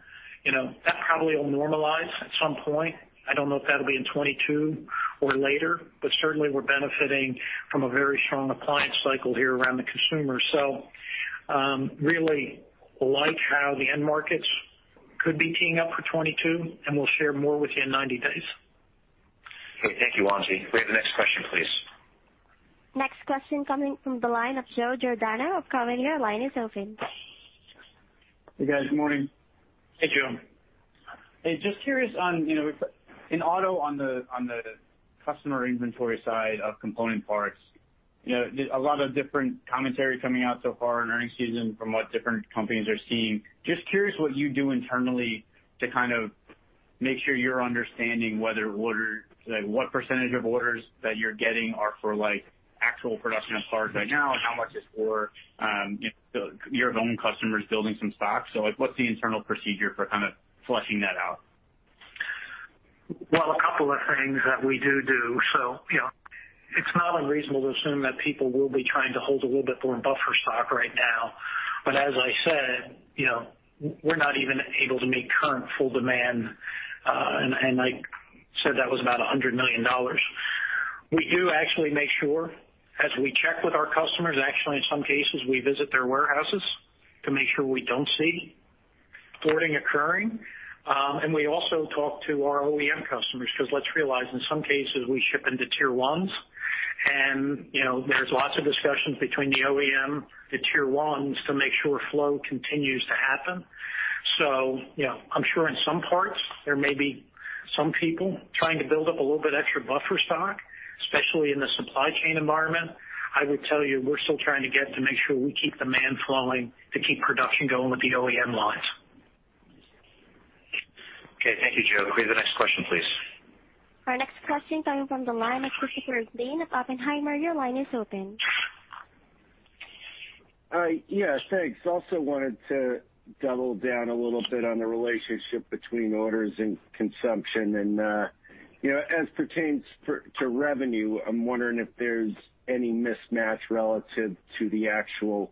That probably will normalize at some point. I don't know if that'll be in 2022 or later, but certainly we're benefiting from a very strong appliance cycle here around the consumer. Really like how the end markets could be teeing up for 2022, and we'll share more with you in 90 days. Okay. Thank you, Wamsi. Can we have the next question, please? Next question coming from the line of Joseph Giordano of Cowen. Your line is open. Hey, guys. Good morning. Hey, Joseph. Hey, just curious on in auto, on the customer inventory side of component parts, there's a lot of different commentary coming out so far in earnings season from what different companies are seeing. Just curious what you do internally to kind of make sure you're understanding what % of orders that you're getting are for actual production of cars right now and how much is for your own customers building some stock. What's the internal procedure for kind of flushing that out? Well, a couple of things that we do do. It's not unreasonable to assume that people will be trying to hold a little bit more buffer stock right now. As I said, we're not even able to meet current full demand. I said that was about $100 million. We do actually make sure as we check with our customers, actually, in some cases, we visit their warehouses to make sure we don't see hoarding occurring. We also talk to our OEM customers because let's realize, in some cases, we ship into Tier 1s, and there's lots of discussions between the OEM, the Tier 1s to make sure flow continues to happen. I'm sure in some parts, there may be some people trying to build up a little bit extra buffer stock, especially in the supply chain environment. I would tell you we're still trying to get to make sure we keep demand flowing to keep production going with the OEM lines. Okay. Thank you, Joe. Can we have the next question, please? Our next question coming from the line of Christopher Glynn of Oppenheimer. Your line is open. Hi. Yeah, thanks. I also wanted to double down a little bit on the relationship between orders and consumption and as pertains to revenue, I'm wondering if there's any mismatch relative to the actual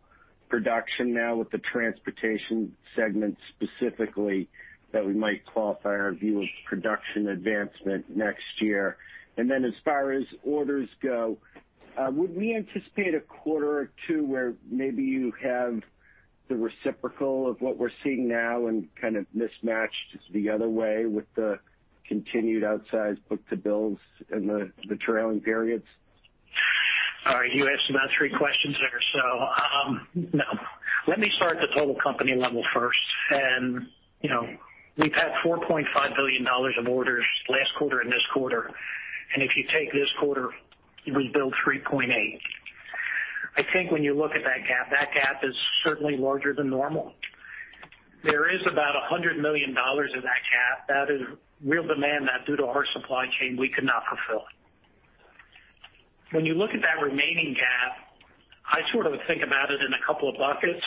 production now with the transportation segment specifically that we might qualify our view of production advancement next year. As far as orders go, would we anticipate a quarter or two where maybe you have the reciprocal of what we're seeing now and kind of mismatched the other way with the continued outsized book-to-bills in the trailing periods? All right. You asked about three questions there, let me start at the total company level first. We've had $4.5 billion of orders last quarter and this quarter, if you take this quarter, we billed $3.8 billion. I think when you look at that gap, that gap is certainly larger than normal. There is about $100 million in that gap that is real demand that due to our supply chain, we could not fulfill. When you look at that remaining gap, I sort of think about it in a couple of buckets,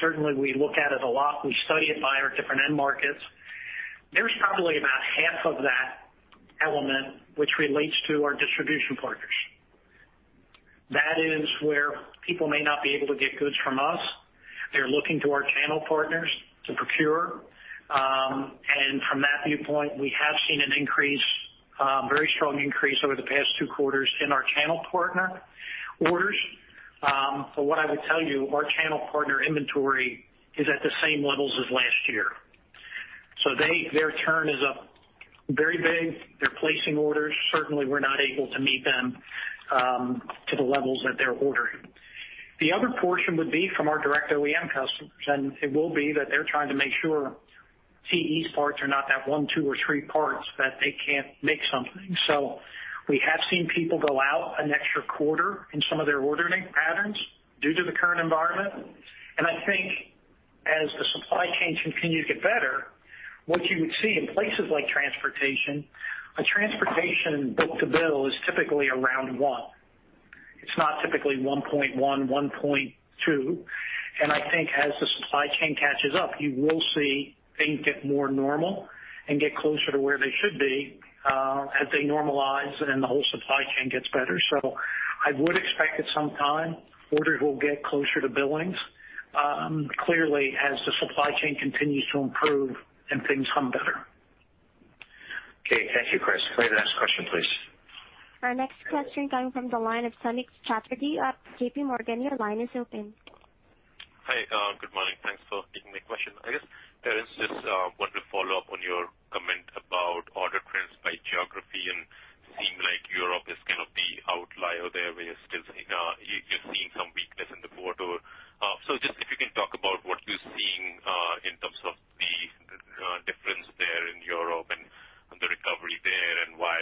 certainly we look at it a lot. We study it by our different end markets. There's probably about half of that element which relates to our distribution partners. That is where people may not be able to get goods from us. They're looking to our channel partners to procure. From that viewpoint, we have seen an increase, a very strong increase over the past two quarters in our channel partner orders. What I would tell you, our channel partner inventory is at the same levels as last year. Their turn is up very big. They're placing orders. Certainly, we're not able to meet them to the levels that they're ordering. The other portion would be from our direct OEM customers, and it will be that they're trying to make sure TE's parts are not that one, two, or three parts that they can't make something. We have seen people go out an extra quarter in some of their ordering patterns due to the current environment. I think as the supply chain continues to get better, what you would see in places like transportation, a transportation book-to-bill is typically around one. It's not typically 1.1.2. I think as the supply chain catches up, you will see things get more normal and get closer to where they should be as they normalize and the whole supply chain gets better. I would expect at some time, orders will get closer to billings, clearly as the supply chain continues to improve and things come better. Okay. Thank you, Chris. Can we have the next question, please? Our next question coming from the line of Samik Chatterjee of JPMorgan. Your line is open. Hi. Good morning. Thanks for taking my question. I guess, Terrence, just wanted to follow up on your comment about order trends by geography, and seemed like Europe is kind of the outlier there where you're still seeing some weakness in the quarter. Just if you can talk about what you're seeing in terms of the difference there in Europe and the recovery there, and why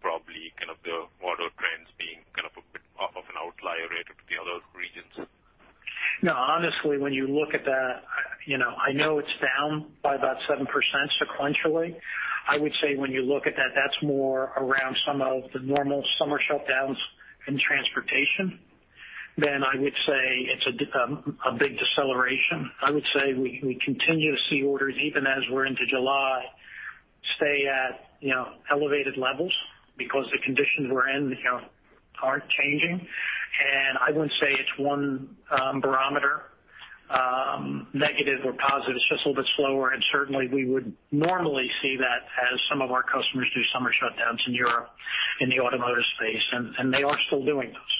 probably kind of the order trends being kind of a bit off of an outlier relative to the other regions. No, honestly, when you look at that, I know it's down by about 7% sequentially. I would say when you look at that's more around some of the normal summer shutdowns in transportation than I would say it's a big deceleration. I would say we continue to see orders even as we're into July, stay at elevated levels because the conditions we're in aren't changing. I wouldn't say it's one barometer, negative or positive. Certainly we would normally see that as some of our customers do summer shutdowns in Europe in the automotive space, and they are still doing those.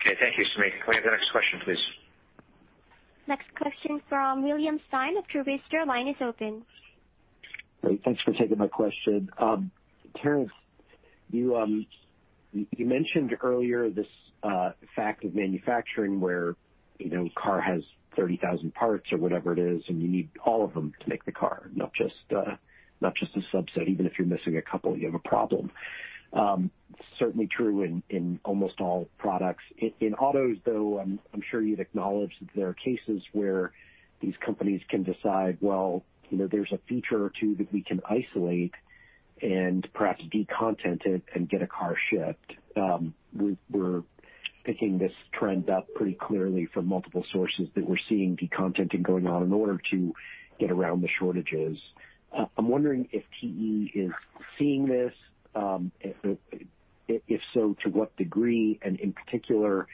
Okay. Thank you, Samik. Can we have the next question, please? Next question from William Stein of Truist. Your line is open. Great. Thanks for taking my question. Terrence, you mentioned earlier this fact of manufacturing where a car has 30,000 parts or whatever it is, and you need all of them to make the car, not just a subset. Even if you're missing a couple, you have a problem. Certainly true in almost all products. In autos, though, I'm sure you'd acknowledge that there are cases where these companies can decide, well, there's a feature or two that we can isolate and perhaps de-content it and get a car shipped. We're picking this trend up pretty clearly from multiple sources that we're seeing de-contenting going on in order to get around the shortages. I'm wondering if TE is seeing this. If so, to what degree, and in particular,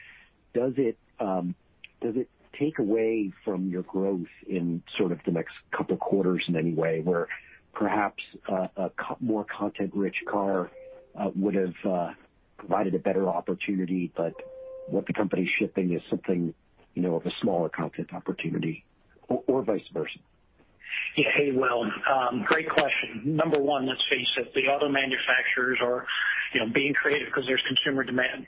does it take away from your growth in the next couple of quarters in any way, where perhaps a more content-rich car would have provided a better opportunity, but what the company's shipping is something of a smaller content opportunity or vice versa? Yeah. Hey, William. Great question. Number one, let's face it, the auto manufacturers are being creative because there's consumer demand.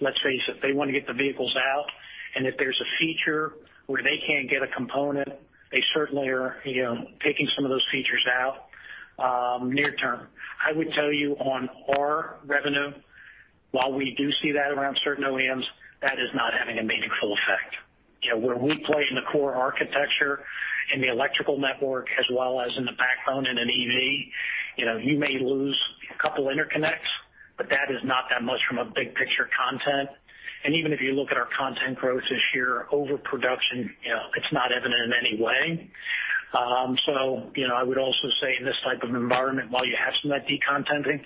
Let's face it, they want to get the vehicles out, and if there's a feature where they can't get a component, they certainly are taking some of those features out near term. I would tell you on our revenue, while we do see that around certain OEMs, that is not having a meaningful effect. Where we play in the core architecture, in the electrical network, as well as in the background in an EV, you may lose a couple interconnects, but that is not that much from a big-picture content. Even if you look at our content growth this year over production, it's not evident in any way. I would also say in this type of environment, while you have some of that de-contenting,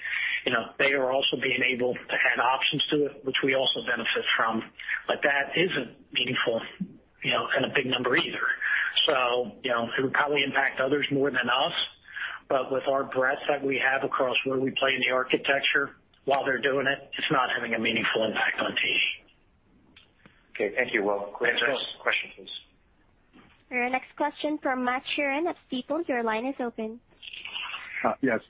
they are also being able to add options to it, which we also benefit from. That isn't meaningful in a big number either. It would probably impact others more than us. With our breadth that we have across where we play in the architecture while they're doing it's not having a meaningful impact on TE. Okay, thank you, Will. Yeah. Sure. Can we have the next question, please? Our next question from Matthew Sheerin of Stifel. Your line is open. Yes.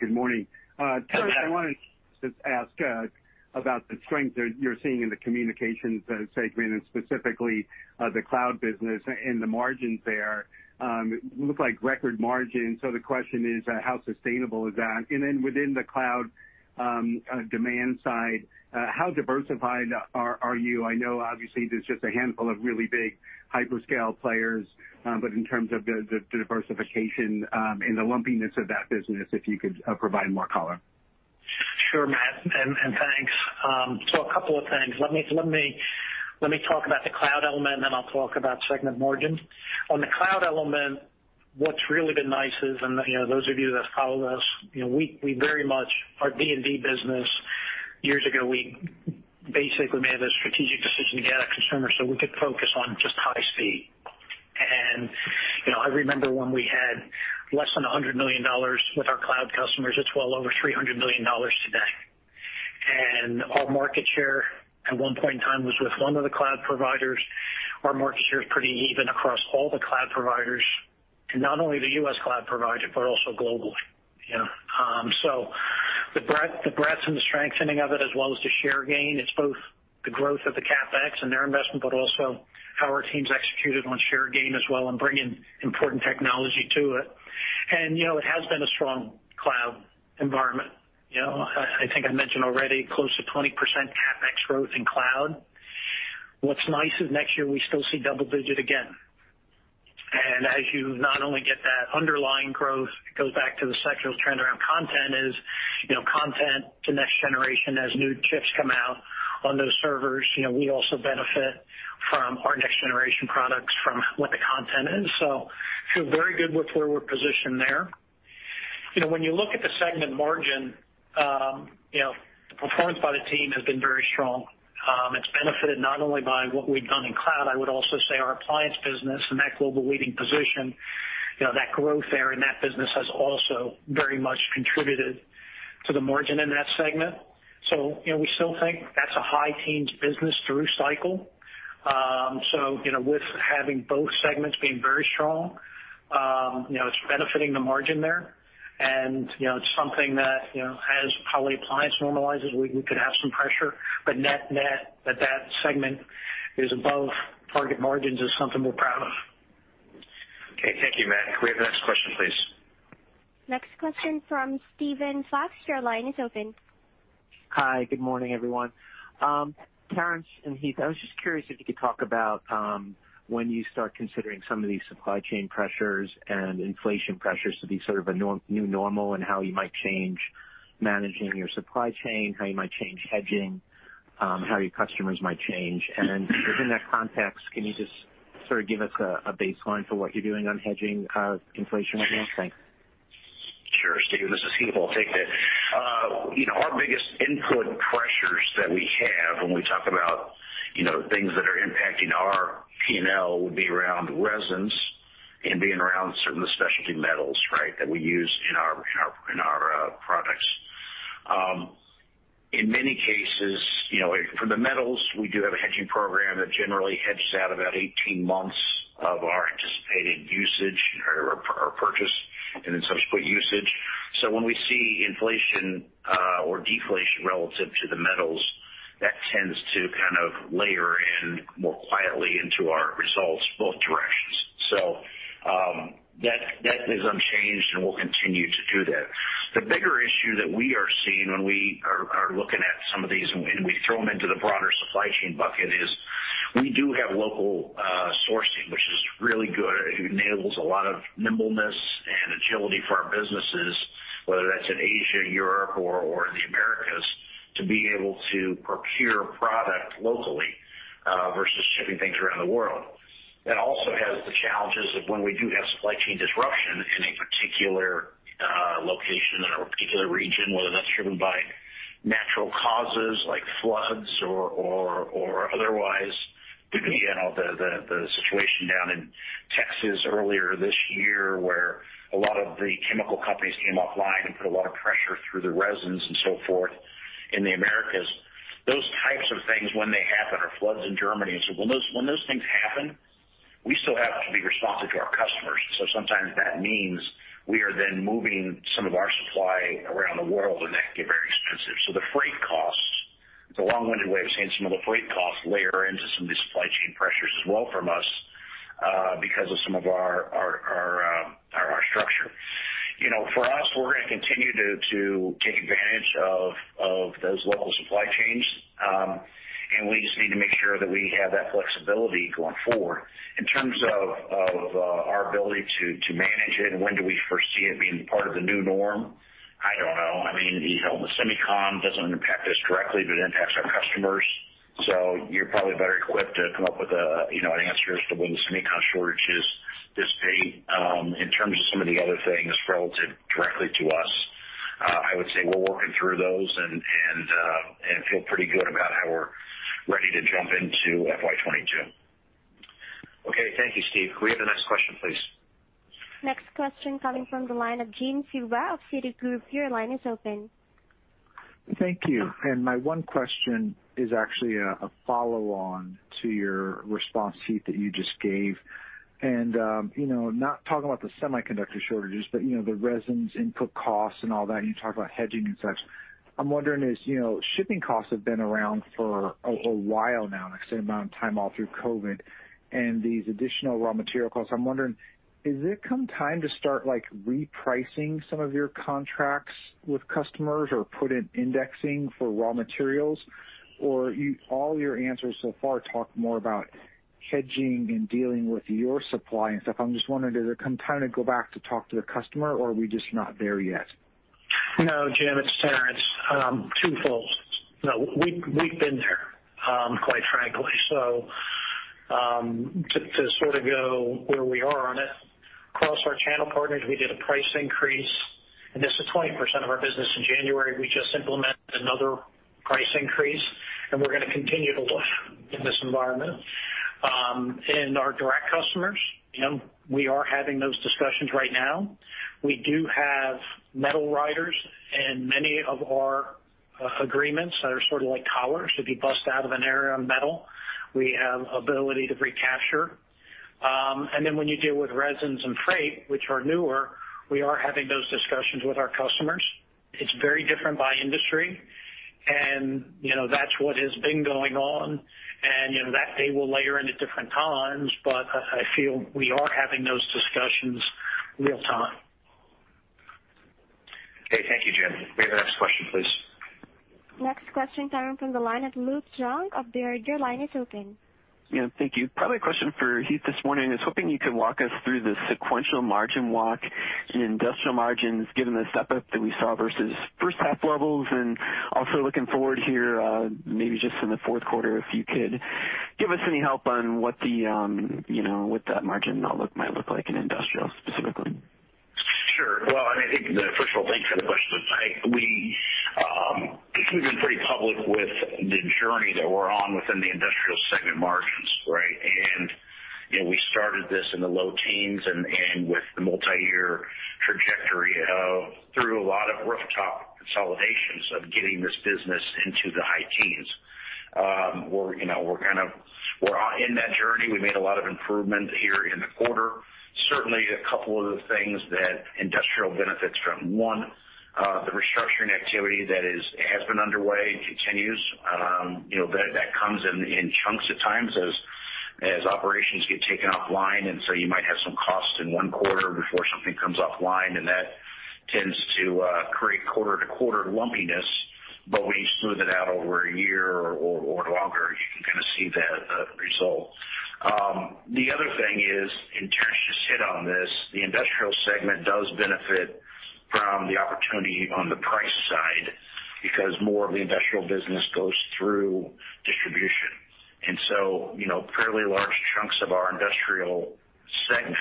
Good morning. Matt. Terrence, I wanted to ask about the strength that you're seeing in the communications segment, and specifically the cloud business and the margins there. Look like record margins. The question is, how sustainable is that? Within the cloud demand side, how diversified are you? I know obviously there's just a handful of really big hyperscale players. In terms of the diversification and the lumpiness of that business, if you could provide more color. Sure, Matt, and thanks. A couple of things. Let me talk about the cloud element, and then I'll talk about segment margins. On the cloud element, what's really been nice is, and those of you that follow us, our AD&M business, years ago, we basically made a strategic decision to get out of consumer so we could focus on just high speed. I remember when we had less than $100 million with our cloud customers. It's well over $300 million today. Our market share at one point in time was with one of the cloud providers. Our market share is pretty even across all the cloud providers, and not only the U.S. cloud provider, but also globally. The breadth and the strengthening of it, as well as the share gain, it's both the growth of the CapEx and their investment, but also how our team's executed on share gain as well, and bringing important technology to it. It has been a strong cloud environment. I think I mentioned already, close to 20% CapEx growth in cloud. What's nice is next year we still see double-digit again. As you not only get that underlying growth, it goes back to the secular trend around content is, content to next generation as new chips come out on those servers. We also benefit from our next-generation products from what the content is. Feel very good with where we're positioned there. When you look at the segment margin, the performance by the team has been very strong. It's benefited not only by what we've done in cloud, I would also say our appliance business and that global leading position, that growth there in that business has also very much contributed to the margin in that segment. We still think that's a high teens business through cycle. With having both segments being very strong, it's benefiting the margin there, and it's something that as probably appliance normalizes, we could have some pressure. Net that segment is above target margins is something we're proud of. Okay, thank you, Matt. Can we have the next question, please? Next question from Steven Fox. Your line is open. Hi. Good morning, everyone. Terrence and Heath, I was just curious if you could talk about when you start considering some of these supply chain pressures and inflation pressures to be sort of a new normal, and how you might change managing your supply chain, how you might change hedging, how your customers might change. Within that context, can you just sort of give us a baseline for what you're doing on hedging inflation right now? Thanks. Sure, Steven, this is Heath. I'll take that. Our biggest input pressures that we have when we talk about things that are impacting our P&L would be around resins and being around certain of the specialty metals, right, that we use in our products. In many cases, for the metals, we do have a hedging program that generally hedges out about 18 months of our anticipated usage or our purchase and then subsequent usage. When we see inflation or deflation relative to the metals, that tends to kind of layer in more quietly into our results, both directions. That is unchanged, and we'll continue to do that. The bigger issue that we are seeing when we are looking at some of these, and we throw them into the broader supply chain bucket, is we do have local sourcing, which is really good. It enables a lot of nimbleness and agility for our businesses, whether that's in Asia, Europe or the Americas. To be able to procure product locally versus shipping things around the world. That also has the challenges of when we do have supply chain disruption in a particular location, in a particular region, whether that's driven by natural causes like floods or otherwise. Could be the situation down in Texas earlier this year, where a lot of the chemical companies came offline and put a lot of pressure through the resins and so forth in the Americas. Those types of things, when they happen, or floods in Germany. When those things happen, we still have to be responsive to our customers. Sometimes that means we are then moving some of our supply around the world, and that can get very expensive. The freight costs, it's a long-winded way of saying some of the freight costs layer into some of the supply chain pressures as well from us because of some of our structure. For us, we're going to continue to take advantage of those local supply chains. We just need to make sure that we have that flexibility going forward. In terms of our ability to manage it and when do we foresee it being part of the new norm? I don't know. The semiconductor doesn't impact us directly, but it impacts our customers. You're probably better equipped to come up with answers to when the semiconductor shortages dissipate. In terms of some of the other things relative directly to us, I would say we're working through those and feel pretty good about how we're ready to jump into FY 2022. Okay. Thank you, Steve. Can we have the next question, please? Next question coming from the line of Jim Suva of Citigroup. Your line is open. Thank you. My one question is actually a follow-on to your response, Heath, that you just gave. Not talking about the semiconductor shortages, but the resins input costs and all that, and you talk about hedging and such. I'm wondering, as shipping costs have been around for a while now, an extended amount of time all through COVID, and these additional raw material costs, is it come time to start repricing some of your contracts with customers or put in indexing for raw materials? All your answers so far talk more about hedging and dealing with your supply and stuff. I'm just wondering, did it come time to go back to talk to the customer, or are we just not there yet? No, Jim, it's Terrence. Twofold. We've been there, quite frankly. To go where we are on it. Across our channel partners, we did a price increase, and this is 20% of our business. In January, we just implemented another price increase, and we're going to continue to look in this environment. In our direct customers, we are having those discussions right now. We do have metal riders in many of our agreements that are like collars. If you bust out of an area of metal, we have ability to recapture. Then when you deal with resins and freight, which are newer, we are having those discussions with our customers. It's very different by industry, and that's what has been going on. That day will layer in at different times, but I feel we are having those discussions real time. Okay, thank you, Jim. May we have the next question, please? Next question coming from the line of Luke Junk of Baird. Your line is open. Yeah, thank you. Probably a question for Heath this morning. I was hoping you could walk us through the sequential margin walk in industrial margins, given the step-up that we saw versus first half levels. Also looking forward here, maybe just in the fourth quarter, if you could give us any help on what that margin might look like in industrial specifically. I think, first of all, thanks for the question. We've been pretty public with the journey that we're on within the industrial segment margins, right? We started this in the low teens and with the multi-year trajectory of through a lot of rooftop consolidations of getting this business into the high teens. We're in that journey. We made a lot of improvement here in the quarter. Certainly two other things that industrial benefits from. One, the restructuring activity that has been underway continues. That comes in chunks at times as operations get taken offline, and so you might have some costs in one quarter before something comes offline, and that tends to create quarter-to-quarter lumpiness. When you smooth it out over one year or longer, you can kind of see the result. The other thing is, Terrence just hit on this, the industrial segment does benefit from the opportunity on the price side because more of the industrial business goes through distribution. Fairly large chunks of our industrial segment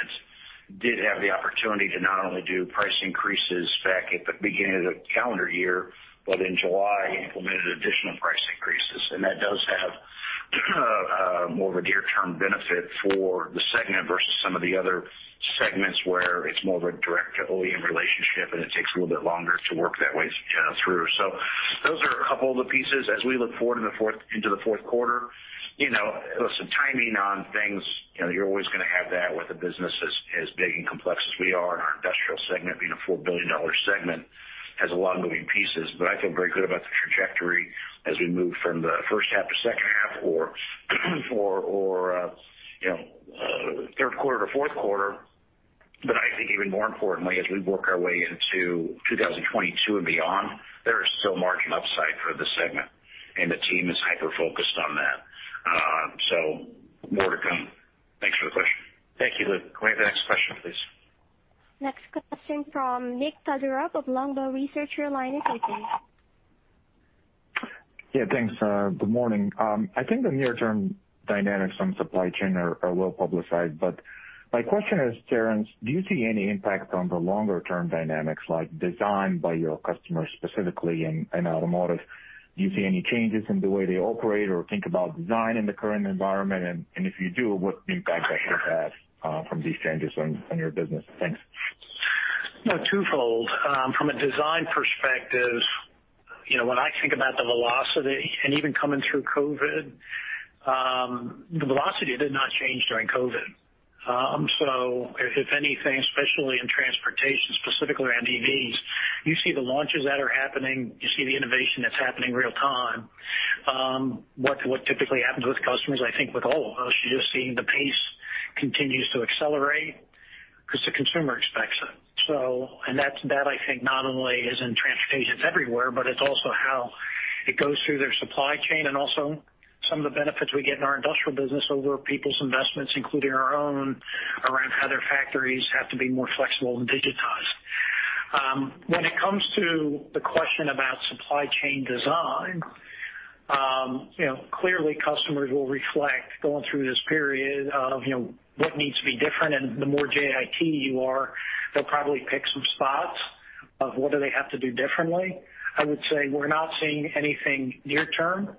did have the opportunity to not only do price increases back at the beginning of the calendar year, but in July, implemented additional price increases. That does have more of a near-term benefit for the segment versus some of the other segments where it's more of a direct OEM relationship, and it takes a little bit longer to work that way through. Those are a couple of the pieces as we look forward into the fourth quarter. Listen, timing on things, you're always going to have that with a business as big and complex as we are in our industrial segment. Being a $4 billion segment has a lot of moving pieces. I feel very good about the trajectory as we move from the first half to second half or third quarter to fourth quarter. I think even more importantly, as we work our way into 2022 and beyond, there is still margin upside for the segment, and the team is hyper-focused on that. More to come. Thanks for the question. Thank you, Luke. Can we have the next question, please? Next question from Nikolay Todorov of Longbow Research. Your line is open. Yeah, thanks. Good morning. I think the near-term dynamics on supply chain are well-publicized, but my question is, Terrence, do you see any impact on the longer-term dynamics, like design by your customers specifically in automotive? Do you see any changes in the way they operate or think about design in the current environment? If you do, what impact that could have from these changes on your business? Thanks. Twofold. From a design perspective, when I think about the velocity and even coming through COVID, the velocity did not change during COVID. If anything, especially in transportation, specifically around EVs, you see the launches that are happening, you see the innovation that's happening real time. What typically happens with customers, I think with all of us, you're just seeing the pace continues to accelerate because the consumer expects it. That I think not only is in transportation, it's everywhere, but it's also how it goes through their supply chain and also some of the benefits we get in our industrial business over people's investments, including our own, around how their factories have to be more flexible and digitized. When it comes to the question about supply chain design, clearly customers will reflect going through this period of what needs to be different, and the more JIT you are, they'll probably pick some spots of what do they have to do differently. I would say we're not seeing anything near term.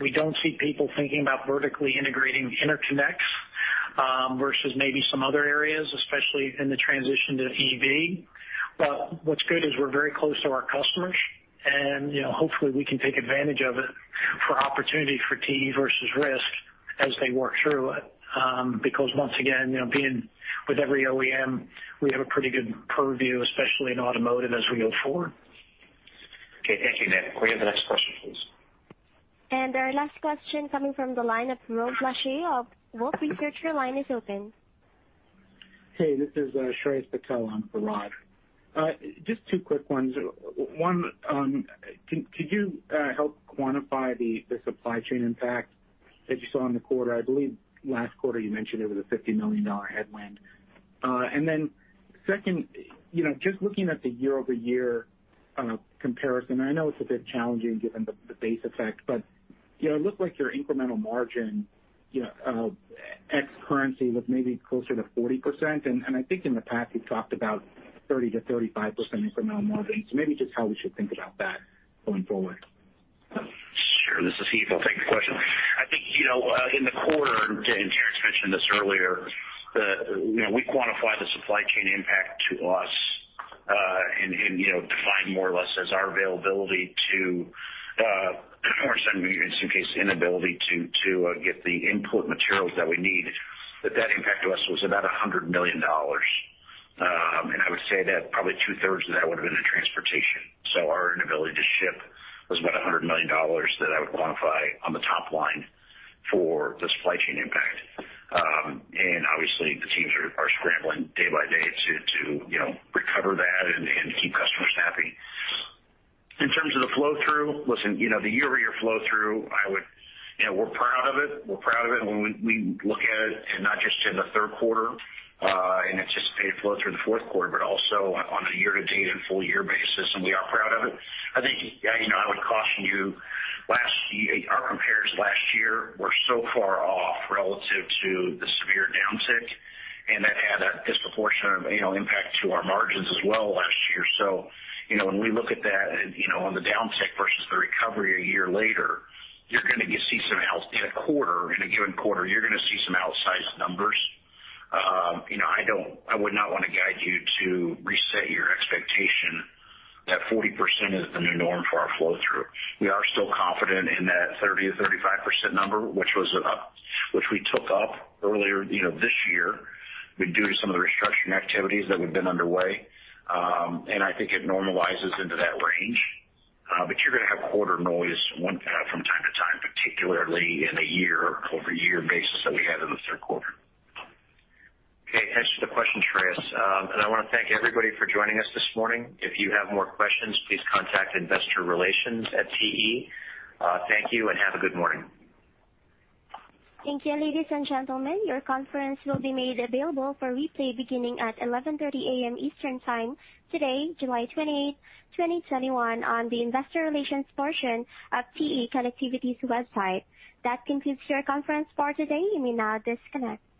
We don't see people thinking about vertically integrating interconnects versus maybe some other areas, especially in the transition to EV. What's good is we're very close to our customers, and hopefully we can take advantage of it for opportunity for TE versus risk as they work through it. Once again, being with every OEM, we have a pretty good purview, especially in automotive as we go forward. Okay. Thank you, Nick. Can we have the next question, please? Our last question coming from the line of Rod Lache of Wolfe Research. Your line is open. Hey, this is Shreyas Patil on for Rod. Just two quick ones. One, could you help quantify the supply chain impact that you saw in the quarter? I believe last quarter you mentioned it was a $50 million headwind. Second, just looking at the year-over-year comparison, I know it's a bit challenging given the base effect, but it looked like your incremental margin ex currency was maybe closer to 40%. I think in the past, you've talked about 30%-35% incremental margin. Maybe just how we should think about that going forward. Sure. This is Heath. I'll take the question. I think in the quarter, and Terrence mentioned this earlier, we quantify the supply chain impact to us, and define more or less as our availability to, or in some case, inability to get the input materials that we need. That impact to us was about $100 million. I would say that probably two-thirds of that would have been in transportation. Our inability to ship was about $100 million that I would quantify on the top line for the supply chain impact. Obviously the teams are scrambling day by day to recover that and keep customers happy. In terms of the flow-through, listen, the year-over-year flow-through, we're proud of it. We're proud of it when we look at it, and not just in the third quarter, and anticipate it flow through the fourth quarter, but also on a year-to-date and full-year basis, and we are proud of it. I think I would caution you, our compares last year were so far off relative to the severe downtick, and that had a disproportionate impact to our margins as well last year. When we look at that on the downtick versus the recovery a year later, in a given quarter, you're going to see some outsized numbers. I would not want to guide you to reset your expectation that 40% is the new norm for our flow-through. We are still confident in that 30%-35% number, which we took up earlier this year due to some of the restructuring activities that have been underway. I think it normalizes into that range. You're going to have quarter noise from time to time, particularly in a year-over-year basis that we had in the third quarter. Okay. Thanks for the question, Shreyas. I want to thank everybody for joining us this morning. If you have more questions, please contact investor relations at TE. Thank you and have a good morning. Thank you, ladies and gentlemen. Your conference will be made available for replay beginning at 11:30 A.M. Eastern Time today, July 28th, 2021, on the investor relations portion of TE Connectivity's website. That concludes your conference for today. You may now disconnect.